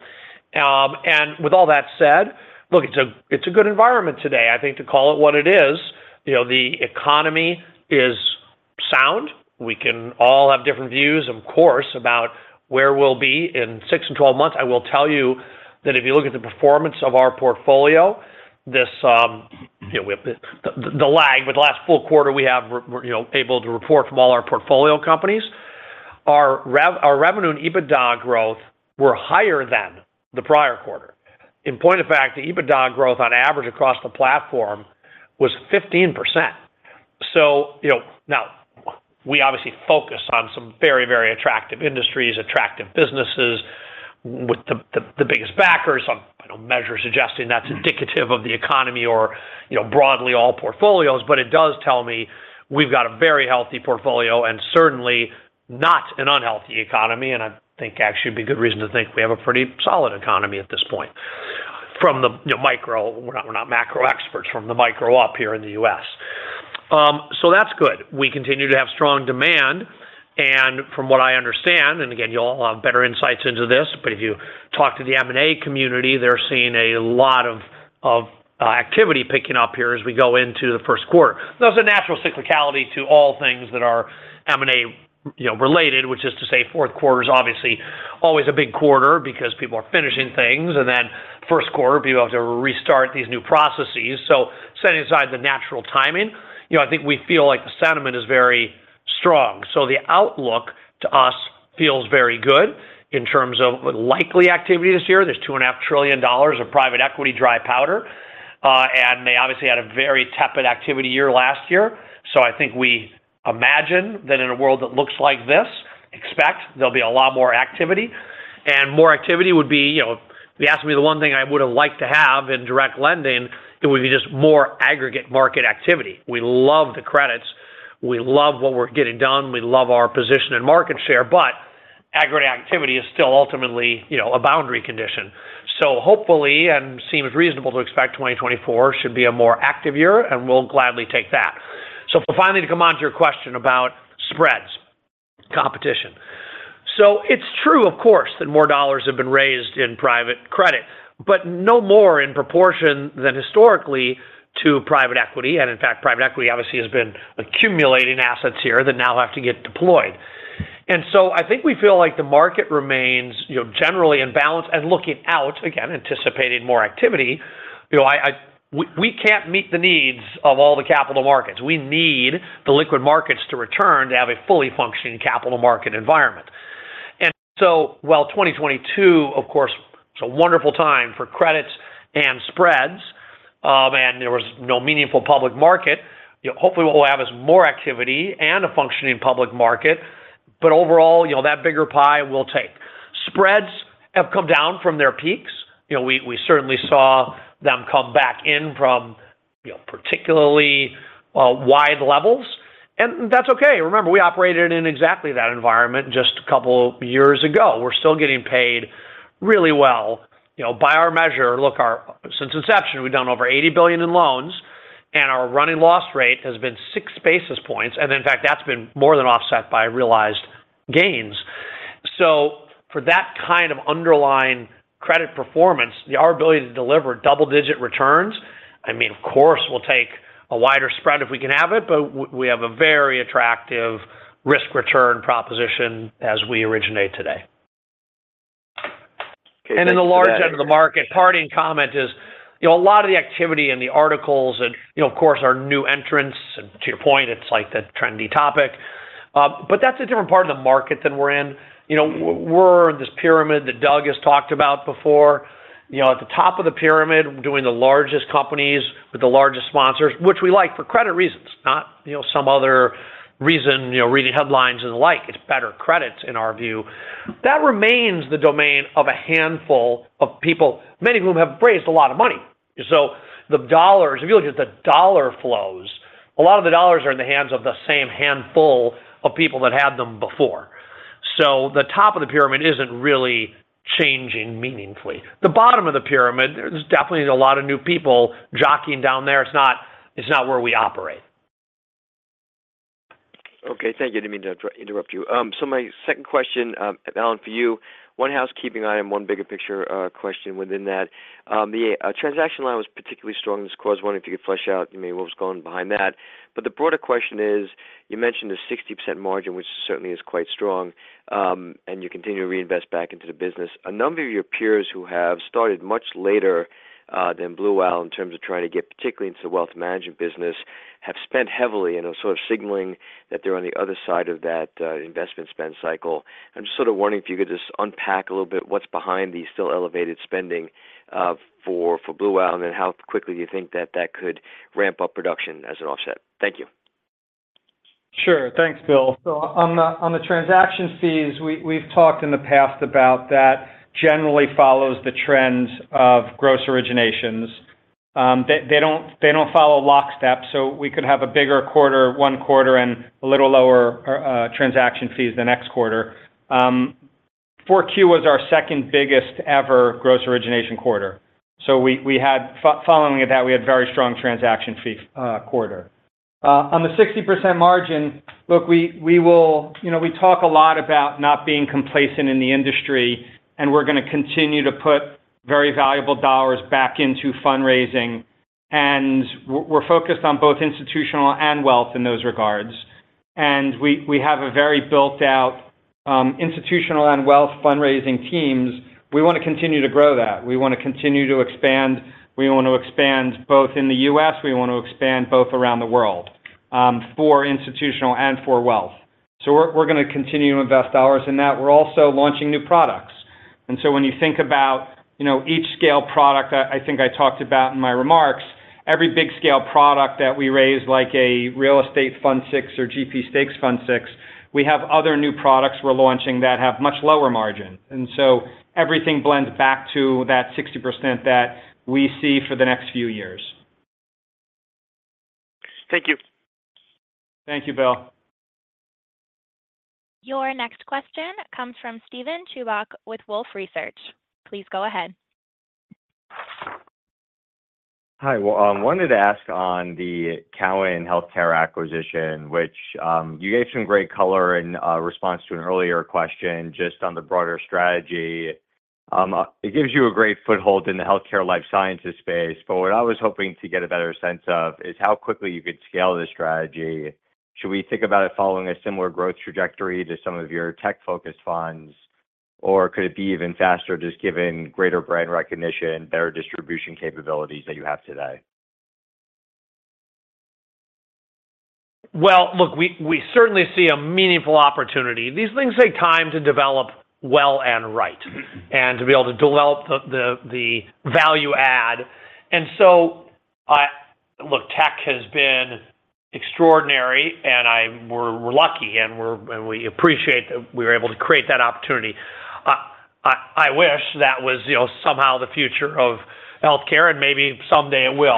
S3: And with all that said, look, it's a, it's a good environment today, I think, to call it what it is. You know, the economy is sound. We can all have different views, of course, about where we'll be in six and twelve months. I will tell you that if you look at the performance of our portfolio, this, The lag, but the last full quarter we have, we're, you know, able to report from all our portfolio companies. Our revenue and EBITDA growth were higher than the prior quarter. In point of fact, the EBITDA growth on average across the platform was 15%. So, you know, now, we obviously focus on some very, very attractive industries, attractive businesses with the biggest backers. I don't measure suggesting that's indicative of the economy or, you know, broadly all portfolios, but it does tell me we've got a very healthy portfolio and certainly not an unhealthy economy. And I think actually, it'd be good reason to think we have a pretty solid economy at this point, from the, you know, micro. We're not, we're not macro experts from the micro up here in the U.S. So that's good. We continue to have strong demand, and from what I understand, and again, you all have better insights into this, but if you talk to the M&A community, they're seeing a lot of activity picking up here as we go into the first quarter. There's a natural cyclicality to all things that are M&A, you know, related, which is to say fourth quarter is obviously always a big quarter because people are finishing things, and then first quarter, people have to restart these new processes. So setting aside the natural timing, you know, I think we feel like the sentiment is very strong. So the outlook to us feels very good in terms of the likely activity this year. There's $2.5 trillion of private equity dry powder, and they obviously had a very tepid activity year last year. So I think we imagine that in a world that looks like this, expect there'll be a lot more activity. And more activity would be, you know if you ask me the one thing I would have liked to have in direct lending, it would be just more aggregate market activity. We love the credits, we love what we're getting done, we love our position and market share, but aggregate activity is still ultimately, you know, a boundary condition. So hopefully, and seems reasonable to expect 2024 should be a more active year, and we'll gladly take that. So finally, to come on to your question about spreads, competition. So it's true, of course, that more dollars have been raised in private credit, but no more in proportion than historically to private equity. And in fact, private equity obviously has been accumulating assets here that now have to get deployed. And so I think we feel like the market remains, you know, generally in balance and looking out, again, anticipating more activity. You know I, I- we, we can't meet the needs of all the capital markets. We need the liquid markets to return to have a fully functioning capital market environment. And so while 2022, of course, it's a wonderful time for credits and spreads, and there was no meaningful public market, hopefully what we'll have is more activity and a functioning public market. But overall, you know, that bigger pie will take. Spreads have come down from their peaks. You know, we, we certainly saw them come back in from, you know, particularly, wide levels, and that's okay. Remember, we operated in exactly that environment just a couple of years ago. We're still getting paid really well. You know, by our measure, look, our since inception, we've done over $80 billion in loans, and our running loss rate has been 6 basis points, and in fact, that's been more than offset by realized gains. So for that kind of underlying credit performance, our ability to deliver double-digit returns, I mean, of course, we'll take a wider spread if we can have it, but we have a very attractive risk return proposition as we originate today.
S9: Okay, thank you for that.
S3: In the large end of the market, parting comment is, you know, a lot of the activity in the articles and, you know, of course, our new entrants, and to your point, it's like the trendy topic. But that's a different part of the market than we're in. You know, we're this pyramid that Doug has talked about before. You know, at the top of the pyramid, we're doing the largest companies with the largest sponsors, which we like for credit reasons, not, you know, some other reason, you know, reading headlines and the like. It's better credits in our view. That remains the domain of a handful of people, many of whom have raised a lot of money. So the dollars, if you look at the dollar flows, a lot of the dollars are in the hands of the same handful of people that had them before. So the top of the pyramid isn't really changing meaningfully. The bottom of the pyramid, there's definitely a lot of new people jockeying down there. It's not, it's not where we operate.
S9: Okay, thank you. I didn't mean to interrupt you. So my second question, Alan, for you, one housekeeping item, one bigger picture question within that. The transaction line was particularly strong this quarter. I was wondering if you could flesh out maybe what was going behind that. But the broader question is, you mentioned a 60% margin, which certainly is quite strong, and you continue to reinvest back into the business. A number of your peers who have started much later than Blue Owl, in terms of trying to get, particularly into the wealth management business, have spent heavily in a sort of signaling that they're on the other side of that investment spend cycle. I'm just sort of wondering if you could just unpack a little bit what's behind the still elevated spending for Blue Owl, and then how quickly do you think that could ramp up production as an offset? Thank you.
S4: Sure. Thanks, Bill. So on the transaction fees, we've talked in the past about that generally follows the trends of gross originations. They don't follow lockstep, so we could have a bigger quarter one quarter and a little lower transaction fees the next quarter. 4Q was our second biggest-ever gross origination quarter. So we had following that, we had very strong transaction fee quarter. On the 60% margin, look, we will- you know, we talk a lot about not being complacent in the industry, and we're gonna continue to put very valuable dollars back into fundraising, and we're focused on both institutional and wealth in those regards. And we have a very built-out institutional and wealth fundraising teams. We want to continue to grow that. We want to continue to expand. We want to ex.pand both in the U.S. We want to expand both around the world, for institutional and for wealth. So we're gonna continue to invest dollars in that. We're also launching new products. And so when you think about, you know, each scale product, I think I talked about in my remarks, every big scale product that we raise, like a Real Estate Fund VI or GP Stakes Fund VI, we have other new products we're launching that have much lower margin. And so everything blends back to that 60% that we see for the next few years.
S9: Thank you.
S4: Thank you, Bill.
S1: Your next question comes from Steven Chubak with Wolfe Research. Please go ahead.
S10: Hi, well, wanted to ask on the Cowen Healthcare acquisition, which, you gave some great color in, response to an earlier question, just on the broader strategy. It gives you a great foothold in the healthcare life sciences space, but what I was hoping to get a better sense of is how quickly you could scale this strategy. Should we think about it following a similar growth trajectory to some of your tech-focused funds? Or could it be even faster, just given greater brand recognition, better distribution capabilities that you have today?
S3: Well, look, we certainly see a meaningful opportunity. These things take time to develop well and right, and to be able to develop the value add. And so I, look, tech has been extraordinary, and I, we're lucky, and we appreciate that we were able to create that opportunity. I wish that was, you know, somehow the future of healthcare, and maybe someday it will.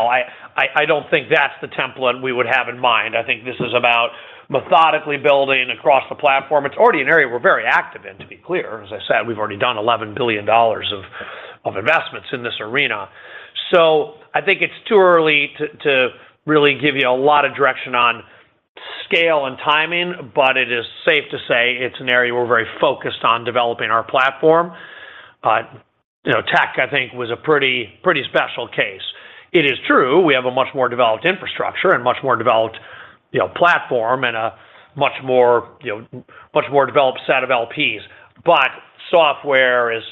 S3: I don't think that's the template we would have in mind. I think this is about methodically building across the platform. It's already an area we're very active in, to be clear. As I said, we've already done $11 billion of investments in this arena. So I think it's too early to really give you a lot of direction on scale and timing, but it is safe to say it's an area we're very focused on developing our platform. You know, tech, I think, was a pretty, pretty special case. It is true, we have a much more developed infrastructure and much more developed, you know, platform and a much more, you know, much more developed set of LPs. But software is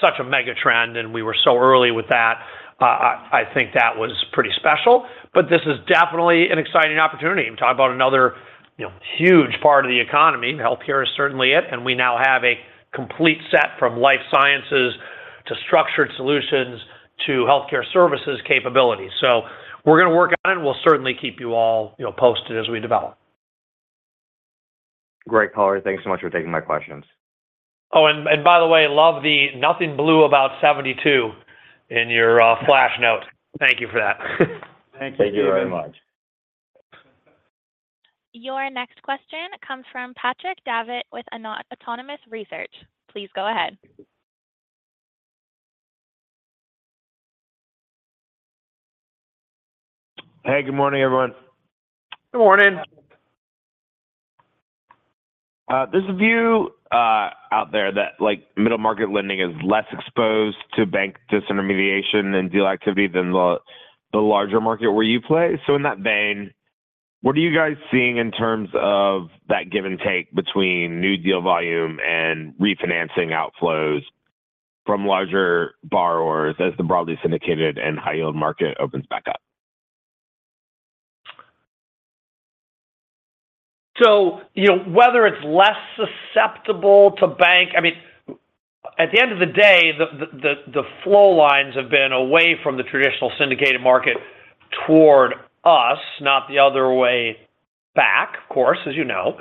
S3: such a mega trend, and we were so early with that, I think that was pretty special. But this is definitely an exciting opportunity. I'm talking about another, you know, huge part of the economy. Healthcare is certainly it, and we now have a complete set from life sciences to structured solutions to healthcare services capabilities. So we're gonna work on it. We'll certainly keep you all, you know, posted as we develop.
S10: Great color, thanks so much for taking my questions.
S3: Oh, and by the way, love the nothing blue about 72 in your flash note. Thank you for that.
S10: Thank you very much.
S1: Your next question comes from Patrick Davitt with Autonomous Research. Please go ahead.
S11: Hey, good morning, everyone.
S3: Good morning.
S11: There's a view out there that, like, middle market lending is less exposed to bank disintermediation and deal activity than the larger market where you play. So in that vein, what are you guys seeing in terms of that give and take between new deal volume and refinancing outflows from larger borrowers as the broadly syndicated and high-yield market opens back up?
S3: So, you know, whether it's less susceptible to bank, I mean, at the end of the day, the loan flows have been away from the traditional syndicated market toward us, not the other way back, of course, as you know.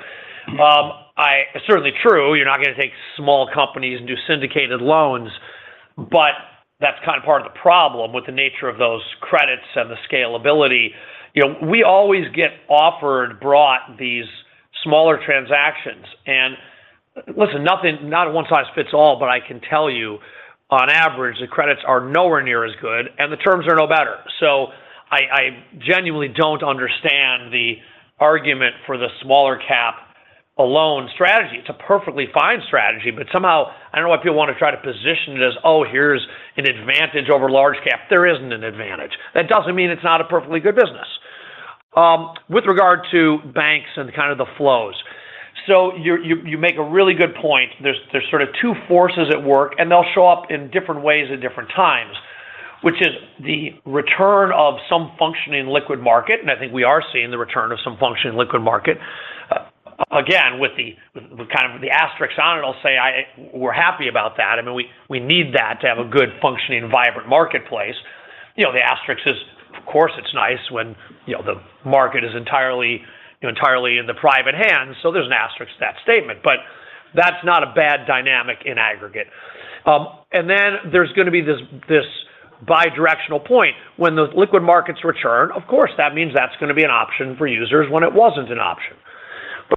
S3: Certainly true, you're not gonna take small companies and do syndicated loans, but that's kind of part of the problem with the nature of those credits and the scalability. You know, we always get offered, brought these smaller transactions. And listen, nothing is a one-size-fits-all, but I can tell you, on average, the credits are nowhere near as good, and the terms are no better. So I genuinely don't understand the argument for the small-cap loan strategy. It's a perfectly fine strategy, but somehow, I don't know why people want to try to position it as, oh, here's an advantage over large-cap. There isn't an advantage. That doesn't mean it's not a perfectly good business. With regard to banks and kind of the flows. So you make a really good point. There's sort of two forces at work, and they'll show up in different ways at different times, which is the return of some functioning liquid market, and I think we are seeing the return of some functioning liquid market. Again, with kind of the asterisks on it, I'll say, we're happy about that. I mean, we need that to have a good functioning, vibrant marketplace. You know, the asterisks is, of course, it's nice when, you know, the market is entirely in the private hands, so there's an asterisk to that statement, but that's not a bad dynamic in aggregate. And then there's gonna be this bidirectional point when the liquid markets return. Of course, that means that's gonna be an option for users when it wasn't an option.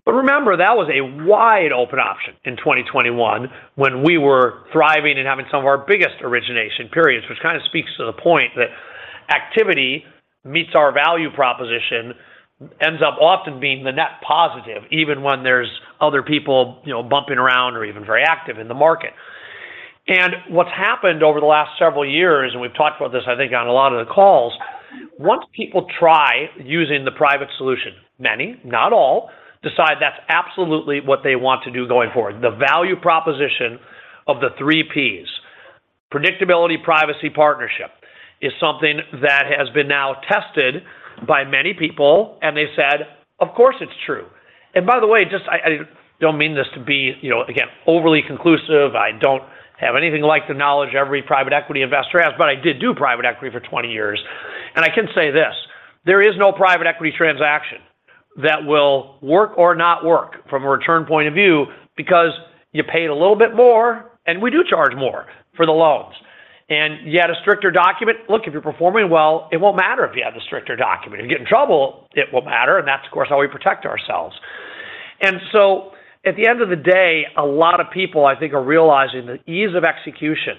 S3: But remember, that was a wide open option in 2021 when we were thriving and having some of our biggest origination periods, which kind of speaks to the point that activity meets our value proposition, ends up often being the net positive, even when there's other people, you know, bumping around or even very active in the market... And what's happened over the last several years, and we've talked about this, I think, on a lot of the calls, once people try using the private solution, many, not all, decide that's absolutely what they want to do going forward. The value proposition of the three Ps, predictability, privacy, partnership, is something that has been now tested by many people, and they said, "Of course, it's true." And by the way, just I, I don't mean this to be, you know, again, overly conclusive. I don't have anything like the knowledge every private equity investor has, but I did do private equity for 20 years. And I can say this: there is no private equity transaction that will work or not work from a return point of view because you paid a little bit more, and we do charge more for the loans. And you had a stricter document. Look, if you're performing well, it won't matter if you have the stricter document. If you get in trouble, it will matter, and that's, of course, how we protect ourselves. And so at the end of the day, a lot of people, I think, are realizing the ease of execution,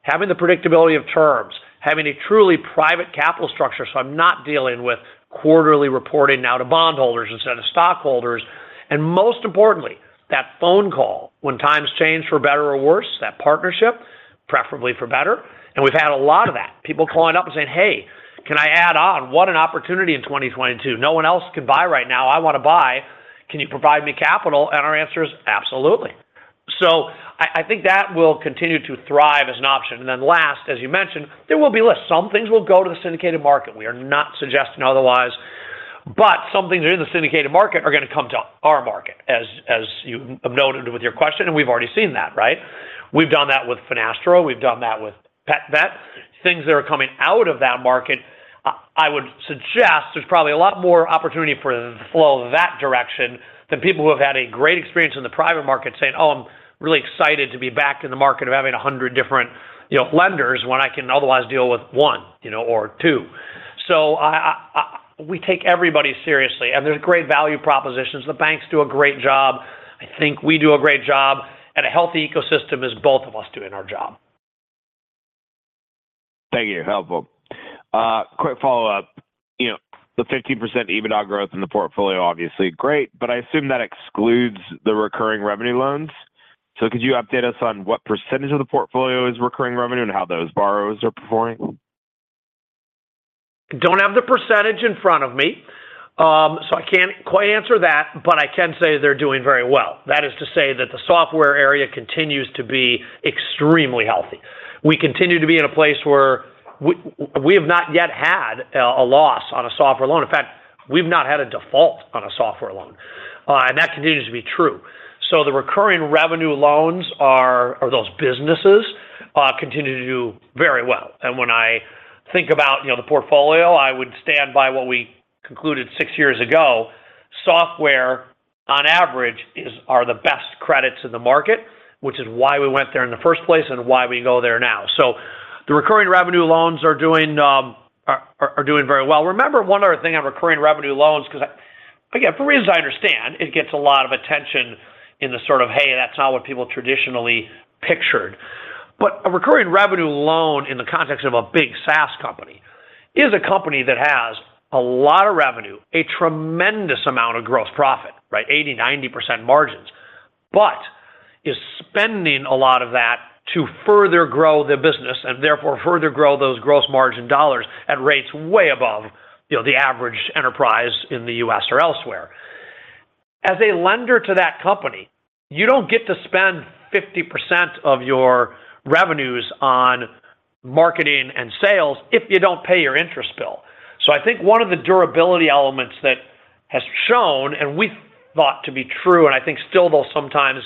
S3: having the predictability of terms, having a truly private capital structure, so I'm not dealing with quarterly reporting now to bondholders instead of stockholders. And most importantly, that phone call when times change for better or worse, that partnership, preferably for better. And we've had a lot of that. People calling up and saying, "Hey, can I add on? What an opportunity in 2022. No one else can buy right now. I wanna buy. Can you provide me capital?" And our answer is absolutely. So I think that will continue to thrive as an option. And then last, as you mentioned, there will be less. Some things will go to the syndicated market. We are not suggesting otherwise, but some things in the syndicated market are gonna come to our market, as you have noted with your question, and we've already seen that, right? We've done that with Finastra, we've done that with PetVet. Things that are coming out of that market, I would suggest there's probably a lot more opportunity for the flow that direction than people who have had a great experience in the private market saying, "Oh, I'm really excited to be back in the market of having 100 different, you know, lenders when I can otherwise deal with one, you know, or two." So we take everybody seriously, and there's great value propositions. The banks do a great job. I think we do a great job, and a healthy ecosystem is both of us doing our job.
S11: Thank you. Helpful. Quick follow-up. You know, the 15% EBITDA growth in the portfolio, obviously great, but I assume that excludes the recurring revenue loans. So could you update us on what percentage of the portfolio is recurring revenue and how those borrowers are performing?
S3: Don't have the percentage in front of me, so I can't quite answer that, but I can say they're doing very well. That is to say that the software area continues to be extremely healthy. We continue to be in a place where we have not yet had a loss on a software loan. In fact, we've not had a default on a software loan, and that continues to be true. So the recurring revenue loans, or those businesses, continue to do very well. And when I think about, you know, the portfolio, I would stand by what we concluded six years ago. Software, on average, are the best credits in the market, which is why we went there in the first place and why we go there now. So the recurring revenue loans are doing very well. Remember, one other thing on recurring revenue loans, 'cause, again, for as I understand, it gets a lot of attention in the sort of, hey, that's not what people traditionally pictured. But a recurring revenue loan in the context of a big SaaS company is a company that has a lot of revenue, a tremendous amount of gross profit, right? 80, 90% margins, but is spending a lot of that to further grow their business and therefore further grow those gross margin dollars at rates way above, you know, the average enterprise in the U.S. or elsewhere. As a lender to that company, you don't get to spend 50% of your revenues on marketing and sales if you don't pay your interest bill. So I think one of the durability elements that has shown, and we thought to be true, and I think still though sometimes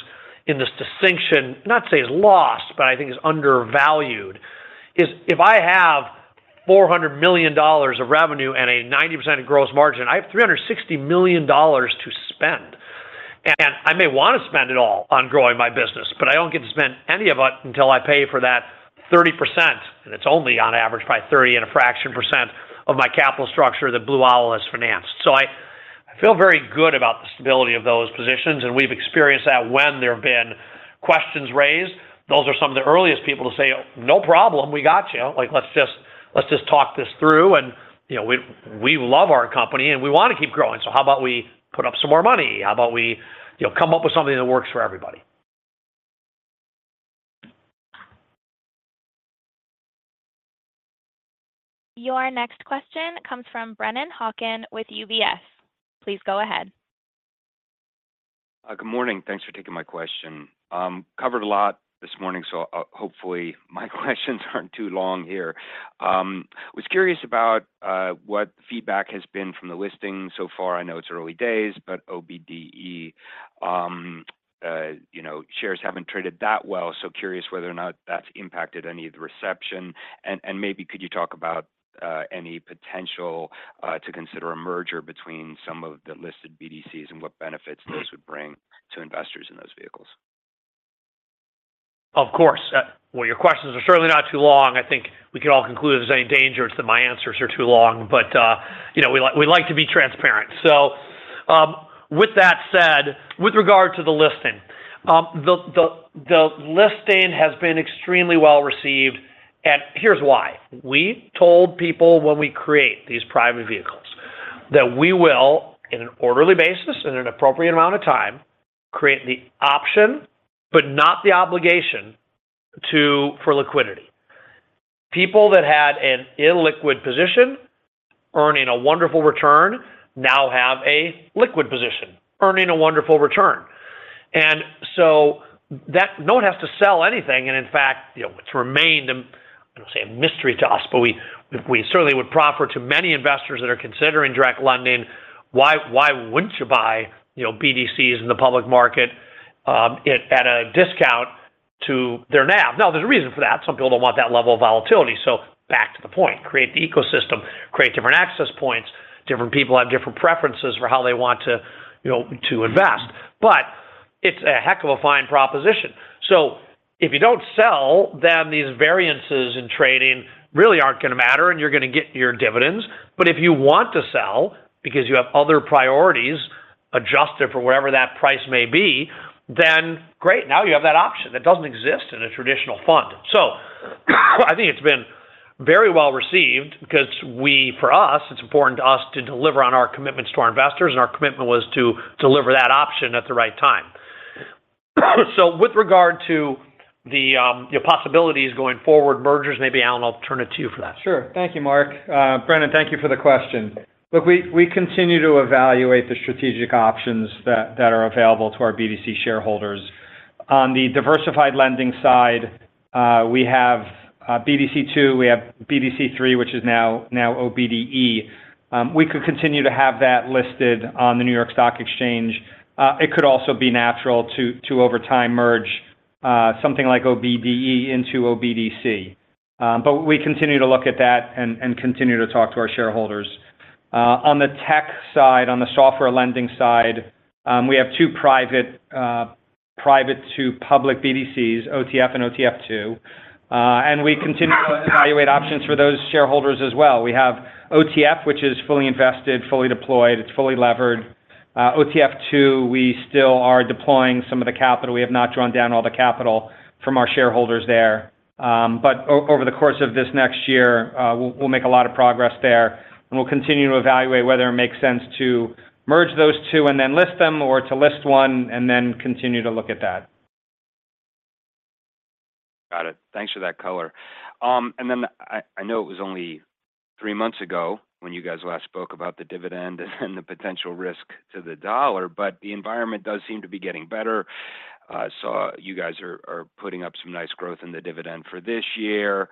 S3: in this distinction, not say is lost, but I think is undervalued, is if I have $400 million of revenue and a 90% gross margin, I have $360 million to spend. And I may want to spend it all on growing my business, but I don't get to spend any of it until I pay for that 30%. And it's only on average, probably 30 and a fraction % of my capital structure that Blue Owl has financed. So I, I feel very good about the stability of those positions, and we've experienced that when there have been questions raised. Those are some of the earliest people to say, "No problem, we got you. Like, let's just talk this through. You know, we love our company and we want to keep growing. How about we put up some more money? How about we, you know, come up with something that works for everybody?
S1: Your next question comes from Brennan Hawken with UBS. Please go ahead.
S12: Good morning. Thanks for taking my question. Covered a lot this morning, so hopefully my questions aren't too long here. Was curious about what feedback has been from the listing so far. I know it's early days, but OBDE, you know, shares haven't traded that well, so curious whether or not that's impacted any of the reception. And maybe could you talk about any potential to consider a merger between some of the listed BDCs and what benefits those would bring to investors in those vehicles?
S3: Of course. Well, your questions are certainly not too long. I think we can all conclude there's any danger that my answers are too long, but, you know, we like to be transparent. So, with that said, with regard to the listing, the listing has been extremely well received, and here's why. We told people when we create these private vehicles that we will, in an orderly basis, in an appropriate amount of time, create the option, but not the obligation to, for liquidity. People that had an illiquid position earning a wonderful return, now have a liquid position, earning a wonderful return. And so that no one has to sell anything, and in fact, you know, it's remained, I don't want to say a mystery to us, but we, we certainly would proffer to many investors that are considering direct lending, why, why wouldn't you buy, you know, BDCs in the public market, it at a discount to their NAV? Now, there's a reason for that. Some people don't want that level of volatility. So back to the point, create the ecosystem, create different access points. Different people have different preferences for how they want to, you know, to invest. But it's a heck of a fine proposition. So if you don't sell, then these variances in trading really aren't going to matter, and you're going to get your dividends. But if you want to sell because you have other priorities, adjust it for wherever that price may be, then great, now you have that option. That doesn't exist in a traditional fund. So, I think it's been very well-received because we, for us, it's important to us to deliver on our commitments to our investors, and our commitment was to deliver that option at the right time. So with regard to the possibilities going forward, mergers, maybe, Alan, I'll turn it to you for that.
S4: Sure. Thank you, Mark. Brennan, thank you for the question. Look, we continue to evaluate the strategic options that are available to our BDC shareholders. On the diversified lending side, we have BDC II, we have BDC III, which is now OBDE. We could continue to have that listed on the New York Stock Exchange. It could also be natural to over time merge something like OBDE into OBDC. But we continue to look at that and continue to talk to our shareholders. On the tech side, on the software lending side, we have two private to public BDCs, OTF and OTF II. And we continue to evaluate options for those shareholders as well. We have OTF, which is fully invested, fully deployed, it's fully levered. OTF II, we still are deploying some of the capital. We have not drawn down all the capital from our shareholders there. But over the course of this next year, we'll make a lot of progress there, and we'll continue to evaluate whether it makes sense to merge those two and then list them, or to list one and then continue to look at that.
S12: Got it. Thanks for that color. And then I, I know it was only three months ago when you guys last spoke about the dividend and the potential risk to the dollar, but the environment does seem to be getting better. So you guys are, are putting up some nice growth in the dividend for this year.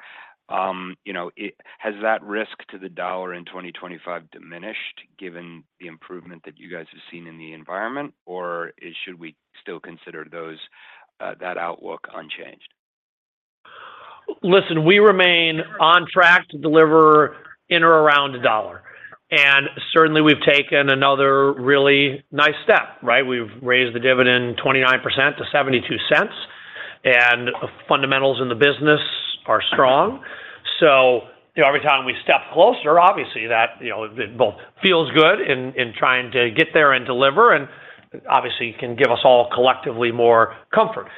S12: You know, has that risk to the dollar in 2025 diminished, given the improvement that you guys have seen in the environment, or should we still consider those, that outlook unchanged?
S3: Listen, we remain on track to deliver in or around dollar. And certainly we've taken another really nice step, right? We've raised the dividend 29% to $0.72, and fundamentals in the business are strong. So, you know, every time we step closer, obviously, that, you know, it both feels good in trying to get there and deliver, and obviously, can give us all collectively more comfort.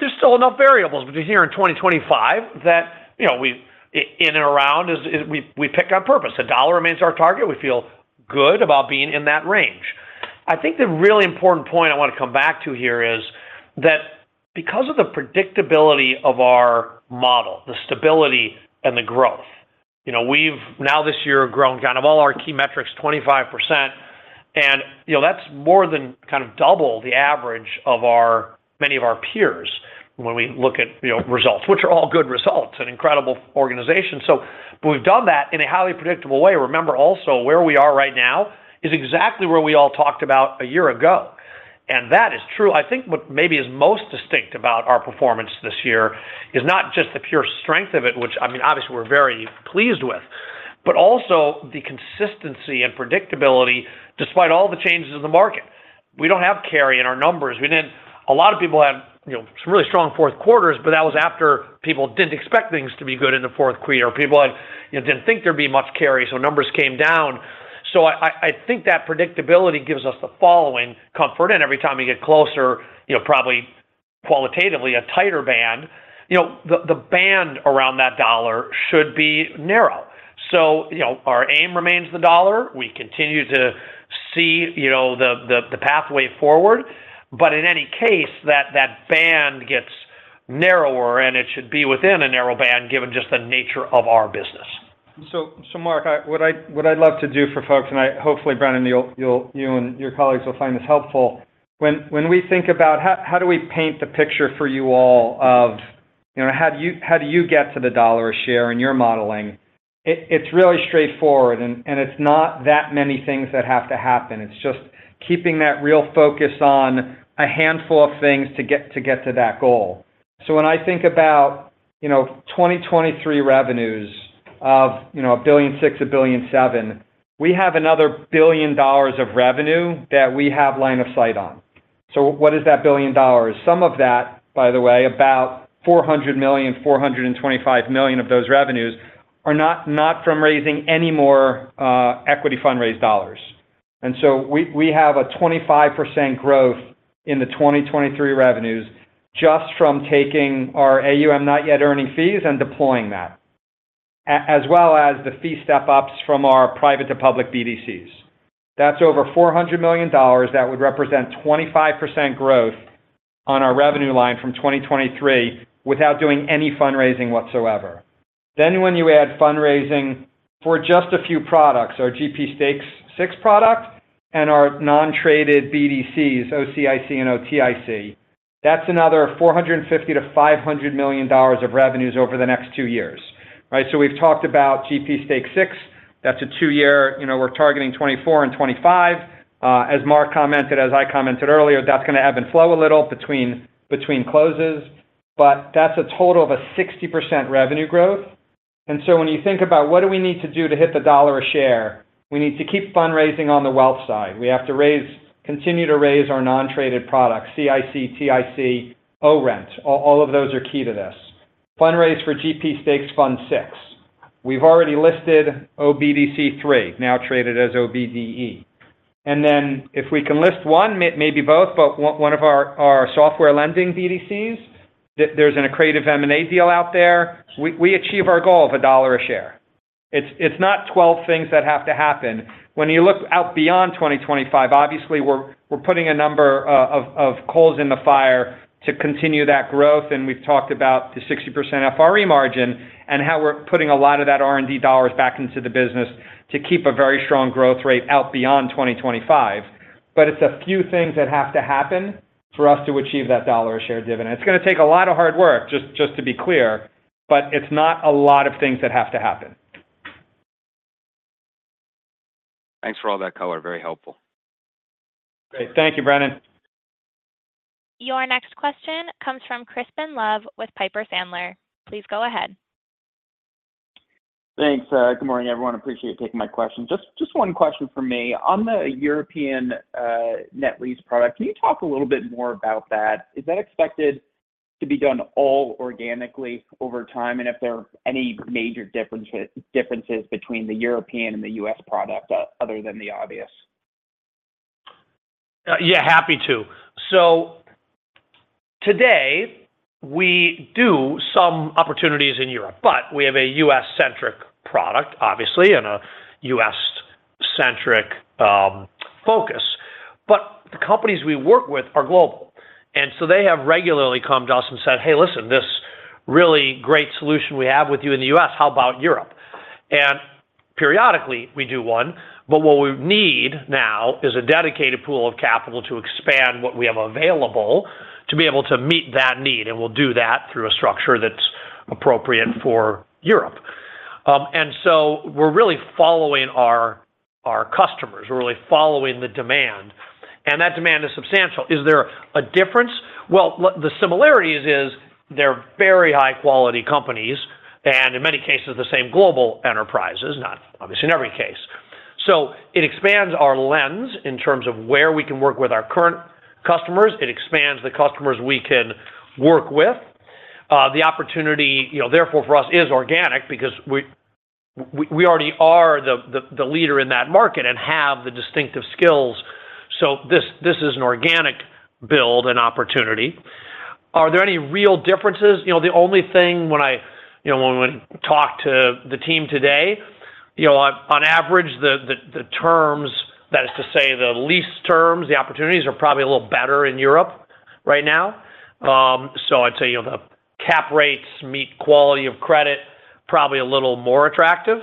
S3: There's still enough variables between here and 2025, that, you know, we in and around is we picked on purpose a dollar remains our target. We feel good about being in that range. I think the really important point I want to come back to here is that because of the predictability of our model, the stability and the growth, you know, we've now this year grown kind of all our key metrics, 25%. You know, that's more than kind of double the average of many of our peers when we look at, you know, results, which are all good results and incredible organizations. So, but we've done that in a highly predictable way. Remember, also, where we are right now is exactly where we all talked about a year ago, and that is true. I think what maybe is most distinct about our performance this year is not just the pure strength of it, which I mean, obviously, we're very pleased with, but also the consistency and predictability despite all the changes in the market. We don't have carry in our numbers. We didn't, a lot of people had, you know, some really strong fourth quarters, but that was after people didn't expect things to be good in the fourth quarter, or people had, you know, didn't think there'd be much carry, so numbers came down. So I, I, I think that predictability gives us the following comfort, and every time you get closer, you know, probably qualitatively, a tighter band, you know, the, the band around that dollar should be narrow. So, you know, our aim remains the dollar. We continue to see, you know, the, the, the pathway forward. But in any case, that, that band gets narrower, and it should be within a narrow band, given just the nature of our business.
S4: So, Mark, what I'd love to do for folks is – hopefully, Brennan, you and your colleagues will find this helpful. When we think about how do we paint the picture for you all of, you know, how do you get to the dollar a share in your modeling? It's really straightforward, and it's not that many things that have to happen. It's just keeping that real focus on a handful of things to get to that goal. So when I think about, you know, 2023 revenues of, you know, $1.6 billion-$1.7 billion, we have another billion dollars of revenue that we have line of sight on. So what is that billion dollars? Some of that, by the way, about $400 million-$425 million of those revenues, are not, not from raising any more equity fundraised dollars. And so we have a 25% growth in the 2023 revenues just from taking our AUM, not yet earning fees, and deploying that. As well as the fee step-ups from our private to public BDCs. That's over $400 million that would represent 25% growth on our revenue line from 2023 without doing any fundraising whatsoever. Then when you add fundraising for just a few products, our GP Stakes VI product and our non-traded BDCs, OCIC and OTIC, that's another $450 million-$500 million of revenues over the next two years, right? So we've talked about GP Stake VI. That's a two year, you know, we're targeting 2024 and 2025. As Mark commented, as I commented earlier, that's gonna ebb and flow a little between closes, but that's a total of a 60% revenue growth. And so when you think about what do we need to do to hit the $1 a share, we need to keep fundraising on the wealth side. We have to raise, continue to raise our non-traded products, CIC, TIC, ORENT. All, all of those are key to this. Fundraise for GP Stakes Fund VI. We've already listed OBDC III now traded as OBDE. And then if we can list one, maybe both, but one of our software lending BDCs, there's an accretive M&A deal out there. We achieve our goal of a dollar a share. It's not 12 things that have to happen. When you look out beyond 2025, obviously, we're putting a number of coals in the fire to continue that growth, and we've talked about the 60% FRE margin and how we're putting a lot of that R&D dollars back into the business to keep a very strong growth rate out beyond 2025. But it's a few things that have to happen for us to achieve that dollar a share dividend. It's gonna take a lot of hard work, just to be clear, but it's not a lot of things that have to happen.
S12: Thanks for all that color. Very helpful.
S3: Great. Thank you, Brennan.
S1: Your next question comes from Crispin Love with Piper Sandler. Please go ahead.
S13: Thanks, good morning, everyone. Appreciate you taking my question. Just one question from me. On the European net lease product, can you talk a little bit more about that? Is that expected to be done all organically over time? And if there are any major differences between the European and the US product, other than the obvious?
S3: Yeah, happy to. So today, we do some opportunities in Europe, but we have a U.S. centric product, obviously, and a U.S. centric focus. But the companies we work with are global, and so they have regularly come to us and said, "Hey, listen, this really great solution we have with you in the U.S. how about Europe?" And periodically, we do one, but what we need now is a dedicated pool of capital to expand what we have available to be able to meet that need, and we'll do that through a structure that's appropriate for Europe. And so we're really following our customers, we're really following the demand, and that demand is substantial. Is there a difference? Well, the similarities is, they're very high-quality companies, and in many cases, the same global enterprises, not obviously in every case. So it expands our lens in terms of where we can work with our current customers. It expands the customers we can work with. The opportunity, you know, therefore, for us, is organic because we already are the leader in that market and have the distinctive skills. So this is an organic build and opportunity. Are there any real differences? You know, the only thing when I- you know, when we talked to the team today, you know, on average, the terms, that is to say, the lease terms, the opportunities are probably a little better in Europe right now. So I'd say, you know, the cap rates, credit quality, probably a little more attractive.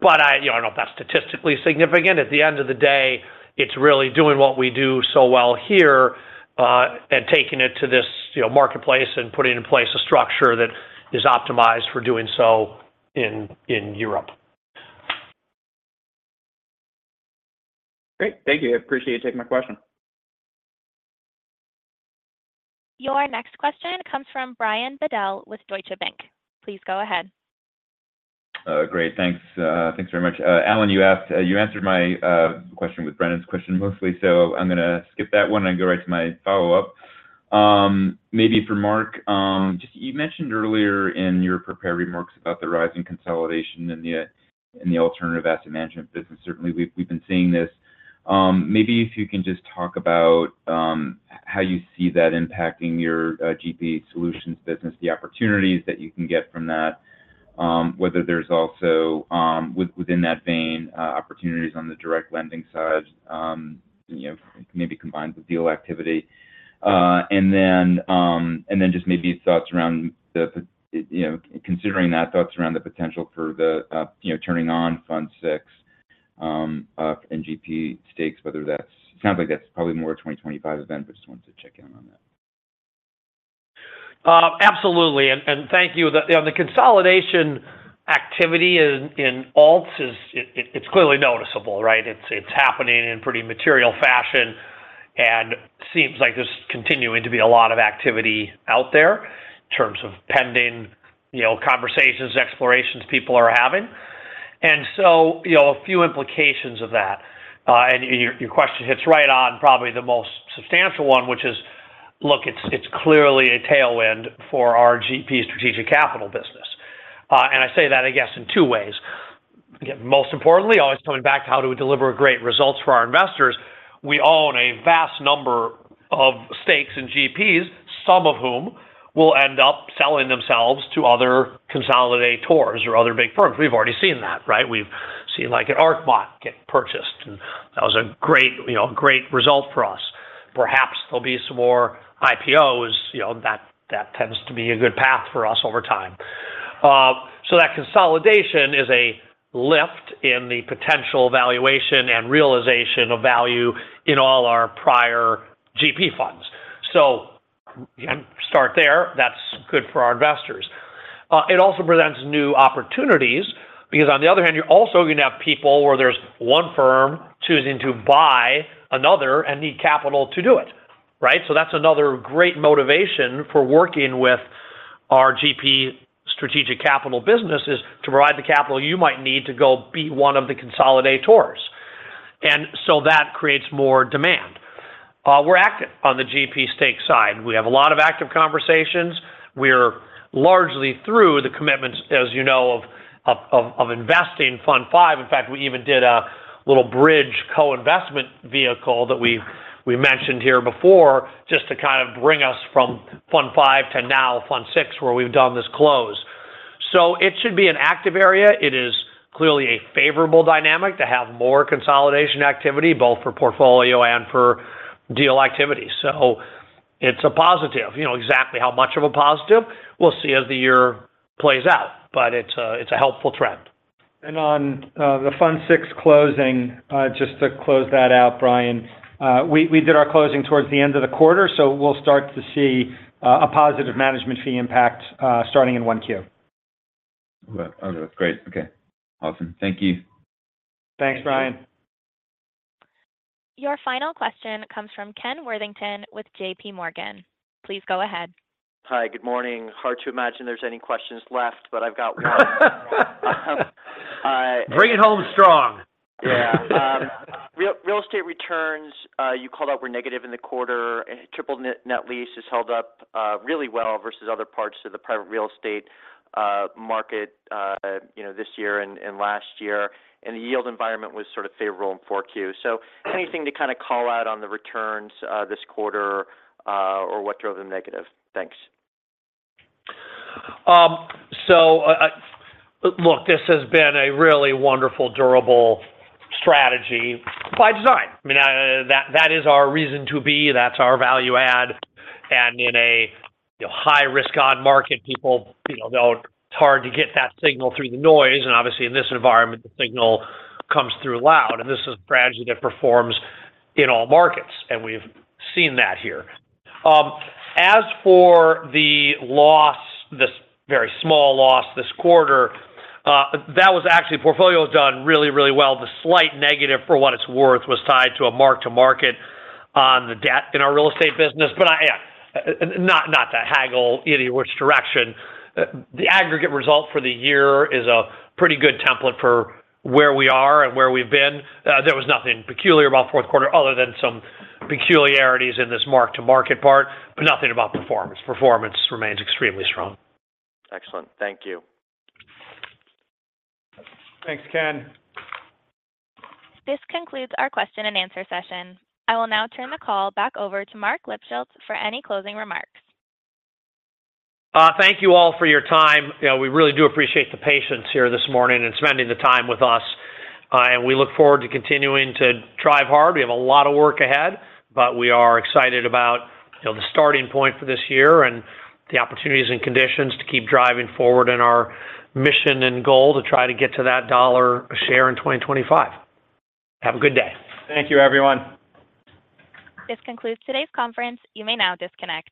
S3: But I- you know, I don't know if that's statistically significant. At the end of the day, it's really doing what we do so well here, and taking it to this, you know, marketplace and putting in place a structure that is optimized for doing so in Europe.
S13: Great. Thank you. I appreciate you taking my question.
S1: Your next question comes from Brian Bedell with Deutsche Bank. Please go ahead.
S14: Great. Thanks, thanks very much. Alan, you answered my question with Brennan's question mostly, so I'm gonna skip that one and go right to my follow-up. Maybe for Marc, just you mentioned earlier in your prepared remarks about the rise in consolidation in the alternative asset management business. Certainly, we've been seeing this. Maybe if you can just talk about how you see that impacting your GP solutions business, the opportunities that you can get from that, whether there's also within that vein opportunities on the direct lending side, you know, maybe combined with deal activity. And then just maybe thoughts around the, you know, considering that, thoughts around the potential for the, you know, turning on Fund VI, GP stakes, whether that's—sounds like that's probably more 2025 event, but just wanted to check in on that.
S3: Absolutely. And thank you. The consolidation activity in alts is, it's clearly noticeable, right? It's happening in pretty material fashion and seems like there's continuing to be a lot of activity out there in terms of pending, you know, conversations, explorations people are having. And so, you know, a few implications of that. And your question hits right on probably the most substantial one, which is, look, it's clearly a tailwind for our GP Strategic Capital business. And I say that, I guess, in two ways. Again, most importantly, always coming back to how do we deliver great results for our investors, we own a vast number of stakes in GPs, some of whom will end up selling themselves to other consolidators or other big firms. We've already seen that, right? We've seen, like, an Arcmont get purchased, and that was a great, you know, great result for us. Perhaps there'll be some more IPOs, you know, that, that tends to be a good path for us over time. So that consolidation is a lift in the potential valuation and realization of value in all our prior GP funds. So you start there, that's good for our investors. It also presents new opportunities because, on the other hand, you're also going to have people where there's one firm choosing to buy another and need capital to do it, right? So that's another great motivation for working with our GP Strategic Capital business, is to provide the capital you might need to go be one of the consolidators. And so that creates more demand. We're active on the GP stake side. We have a lot of active conversations. We're largely through the commitments, as you know, of investing Fund V. In fact, we even did a little bridge co-investment vehicle that we mentioned here before, just to kind of bring us from Fund V to now Fund VI, where we've done this close. So it should be an active area. It is clearly a favorable dynamic to have more consolidation activity, both for portfolio and for deal activity. So it's a positive. You know, exactly how much of a positive, we'll see as the year plays out, but it's a helpful trend.
S4: On the Fund VI closing, just to close that out, Brian, we did our closing towards the end of the quarter, so we'll start to see a positive management fee impact starting in 1Q.
S14: Well, okay, great. Okay, awesome. Thank you.
S4: Thanks, Brian.
S1: Your final question comes from Ken Worthington with JP Morgan. Please go ahead.
S15: Hi, good morning. Hard to imagine there's any questions left, but I've got one.
S3: Bring it home strong.
S15: Yeah. Real estate returns you called out were negative in the quarter, and triple net lease has held up really well versus other parts of the private real estate market, you know, this year and last year, and the yield environment was sort of favorable in 4Q. So anything to kind of call out on the returns this quarter or what drove the negative? Thanks.
S3: So, look, this has been a really wonderful, durable strategy by design. I mean, that, that is our reason to be, that's our value add. And in a, you know, high-risk on market, people, you know, know it's hard to get that signal through the noise. And obviously, in this environment, the signal comes through loud, and this is a strategy that performs in all markets, and we've seen that here. As for the loss, this very small loss this quarter, that was actually, portfolio has done really, really well. The slight negative, for what it's worth, was tied to a mark-to-market on the debt in our real estate business. But I, yeah, not, not to haggle any which direction. The aggregate result for the year is a pretty good template for where we are and where we've been. There was nothing peculiar about fourth quarter other than some peculiarities in this mark to market part, but nothing about performance. Performance remains extremely strong.
S15: Excellent. Thank you.
S4: Thanks, Ken.
S1: This concludes our question and answer session. I will now turn the call back over to Marc Lipschultz for any closing remarks.
S3: Thank you all for your time. You know, we really do appreciate the patience here this morning and spending the time with us. We look forward to continuing to drive hard. We have a lot of work ahead, but we are excited about, you know, the starting point for this year and the opportunities and conditions to keep driving forward in our mission and goal to try to get to that dollar a share in 2025. Have a good day.
S4: Thank you, everyone.
S1: This concludes today's conference. You may now disconnect.